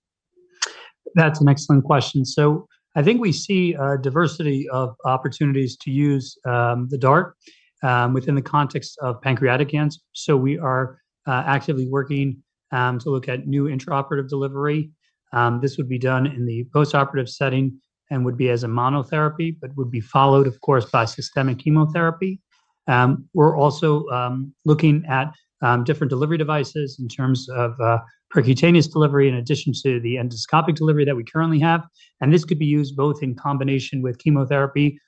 That's an excellent question, so I think we see a diversity of opportunities to use the DaRT within the context of pancreatic cancer, so we are actively working to look at new intraoperative delivery. This would be done in the postoperative setting and would be as a monotherapy, but would be followed, of course, by systemic chemotherapy. We're also looking at different delivery devices in terms of percutaneous delivery in addition to the endoscopic delivery that we currently have, and this could be used both in combination with chemotherapy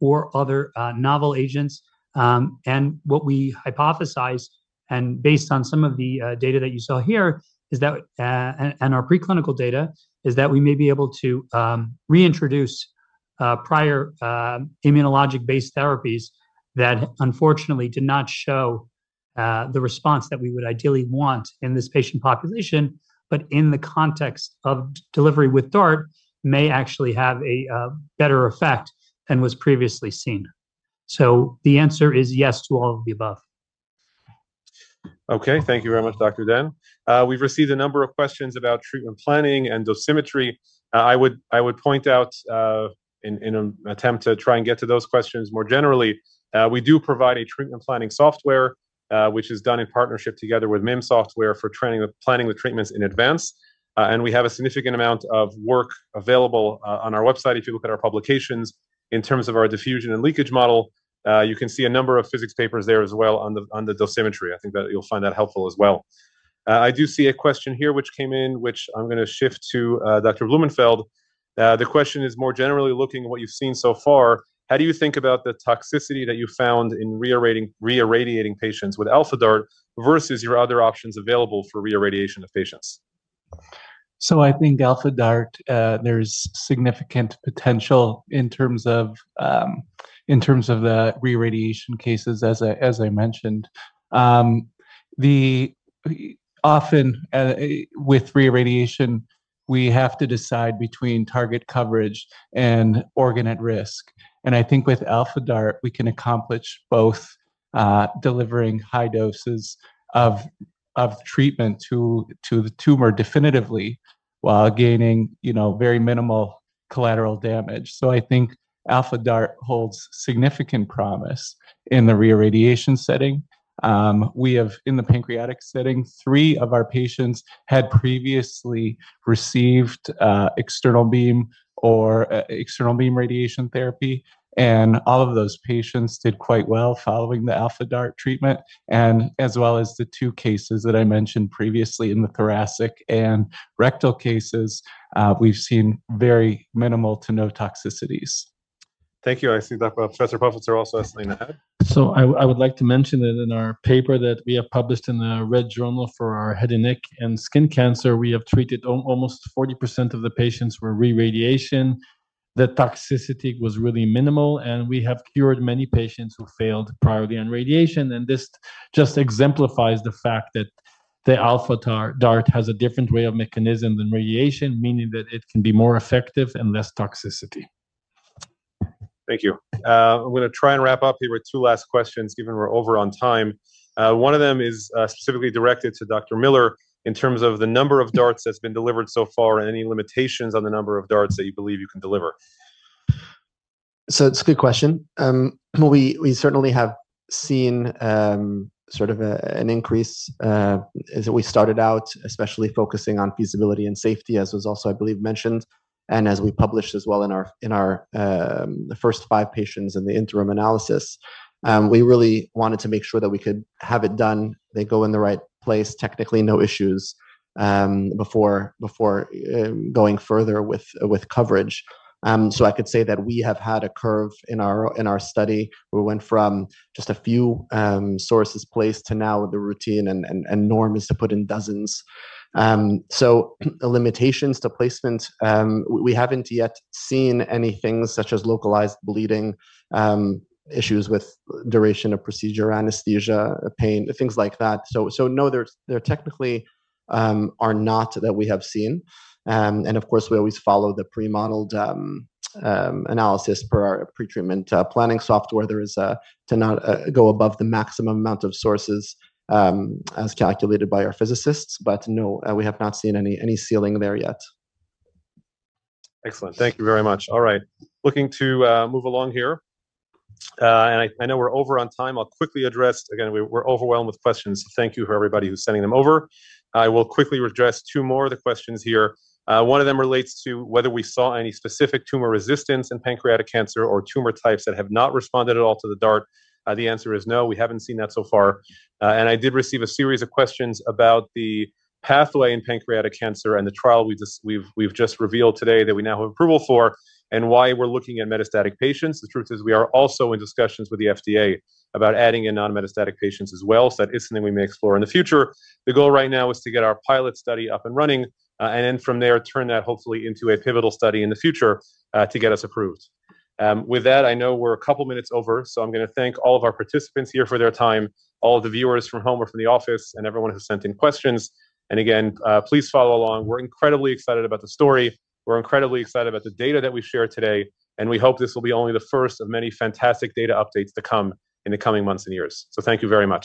or other novel agents. What we hypothesize, and based on some of the data that you saw here, and our preclinical data, is that we may be able to reintroduce prior immunologic-based therapies that unfortunately did not show the response that we would ideally want in this patient population, but in the context of delivery with DaRT, may actually have a better effect than was previously seen. So the answer is yes to all of the above. Okay, thank you very much, Dr. Den. We've received a number of questions about treatment planning and dosimetry. I would point out, in an attempt to try and get to those questions more generally, we do provide a treatment planning software, which is done in partnership together with MIM Software for planning the treatments in advance. We have a significant amount of work available on our website. If you look at our publications in terms of our diffusion and leakage model, you can see a number of physics papers there as well on the dosimetry. I think that you'll find that helpful as well. I do see a question here, which came in, which I'm going to shift to Dr. Blumenfeld. The question is more generally looking at what you've seen so far. How do you think about the toxicity that you found in reirradiating patients with Alpha DaRT versus your other options available for reirradiation of patients? So I think Alpha DaRT, there's significant potential in terms of the reirradiation cases, as I mentioned. Often, with reirradiation, we have to decide between target coverage and organ at risk. And I think with Alpha DaRT, we can accomplish both delivering high doses of treatment to the tumor definitively while gaining very minimal collateral damage. So I think Alpha DaRT holds significant promise in the reirradiation setting. We have, in the pancreatic setting, three of our patients had previously received external beam or external beam radiation therapy. And all of those patients did quite well following the Alpha DaRT treatment. And as well as the two cases that I mentioned previously in the thoracic and rectal cases, we've seen very minimal to no toxicities. Thank you. I see that Professor Popovtzer also has something to add. So I would like to mention that in our paper that we have published in the Red Journal for our head and neck and skin cancer, we have treated almost 40% of the patients with reirradiation. The toxicity was really minimal. And we have cured many patients who failed prior to the external radiation. This just exemplifies the fact that the Alpha DaRT has a different way of mechanism than radiation, meaning that it can be more effective and less toxicity. Thank you. I'm going to try and wrap up here with two last questions, given we're over on time. One of them is specifically directed to Dr. Miller in terms of the number of DaRTs that's been delivered so far and any limitations on the number of DaRTs that you believe you can deliver. So it's a good question. We certainly have seen sort of an increase as we started out, especially focusing on feasibility and safety, as was also, I believe, mentioned. As we published as well in our first five patients in the interim analysis, we really wanted to make sure that we could have it done, they go in the right place, technically no issues before going further with coverage. I could say that we have had a curve in our study. We went from just a few sources placed to now the routine and norm is to put in dozens. Limitations to placement, we haven't yet seen anything such as localized bleeding issues with duration of procedure, anesthesia, pain, things like that. No, there technically are not that we have seen. Of course, we always follow the pre-modeled analysis per our pretreatment planning software. There is to not go above the maximum amount of sources as calculated by our physicists. But no, we have not seen any ceiling there yet. Excellent. Thank you very much. All right, looking to move along here. And I know we're over on time. I'll quickly address, again, we're overwhelmed with questions. So thank you for everybody who's sending them over. I will quickly address two more of the questions here. One of them relates to whether we saw any specific tumor resistance in pancreatic cancer or tumor types that have not responded at all to the DaRT. The answer is no. We haven't seen that so far. And I did receive a series of questions about the pathway in pancreatic cancer and the trial we've just revealed today that we now have approval for and why we're looking at metastatic patients. The truth is we are also in discussions with the FDA about adding in non-metastatic patients as well. So that is something we may explore in the future. The goal right now is to get our pilot study up and running. And then from there, turn that hopefully into a pivotal study in the future to get us approved. With that, I know we're a couple of minutes over. So I'm going to thank all of our participants here for their time, all of the viewers from home or from the office, and everyone who sent in questions. And again, please follow along. We're incredibly excited about the story. We're incredibly excited about the data that we shared today. And we hope this will be only the first of many fantastic data updates to come in the coming months and years. So thank you very much.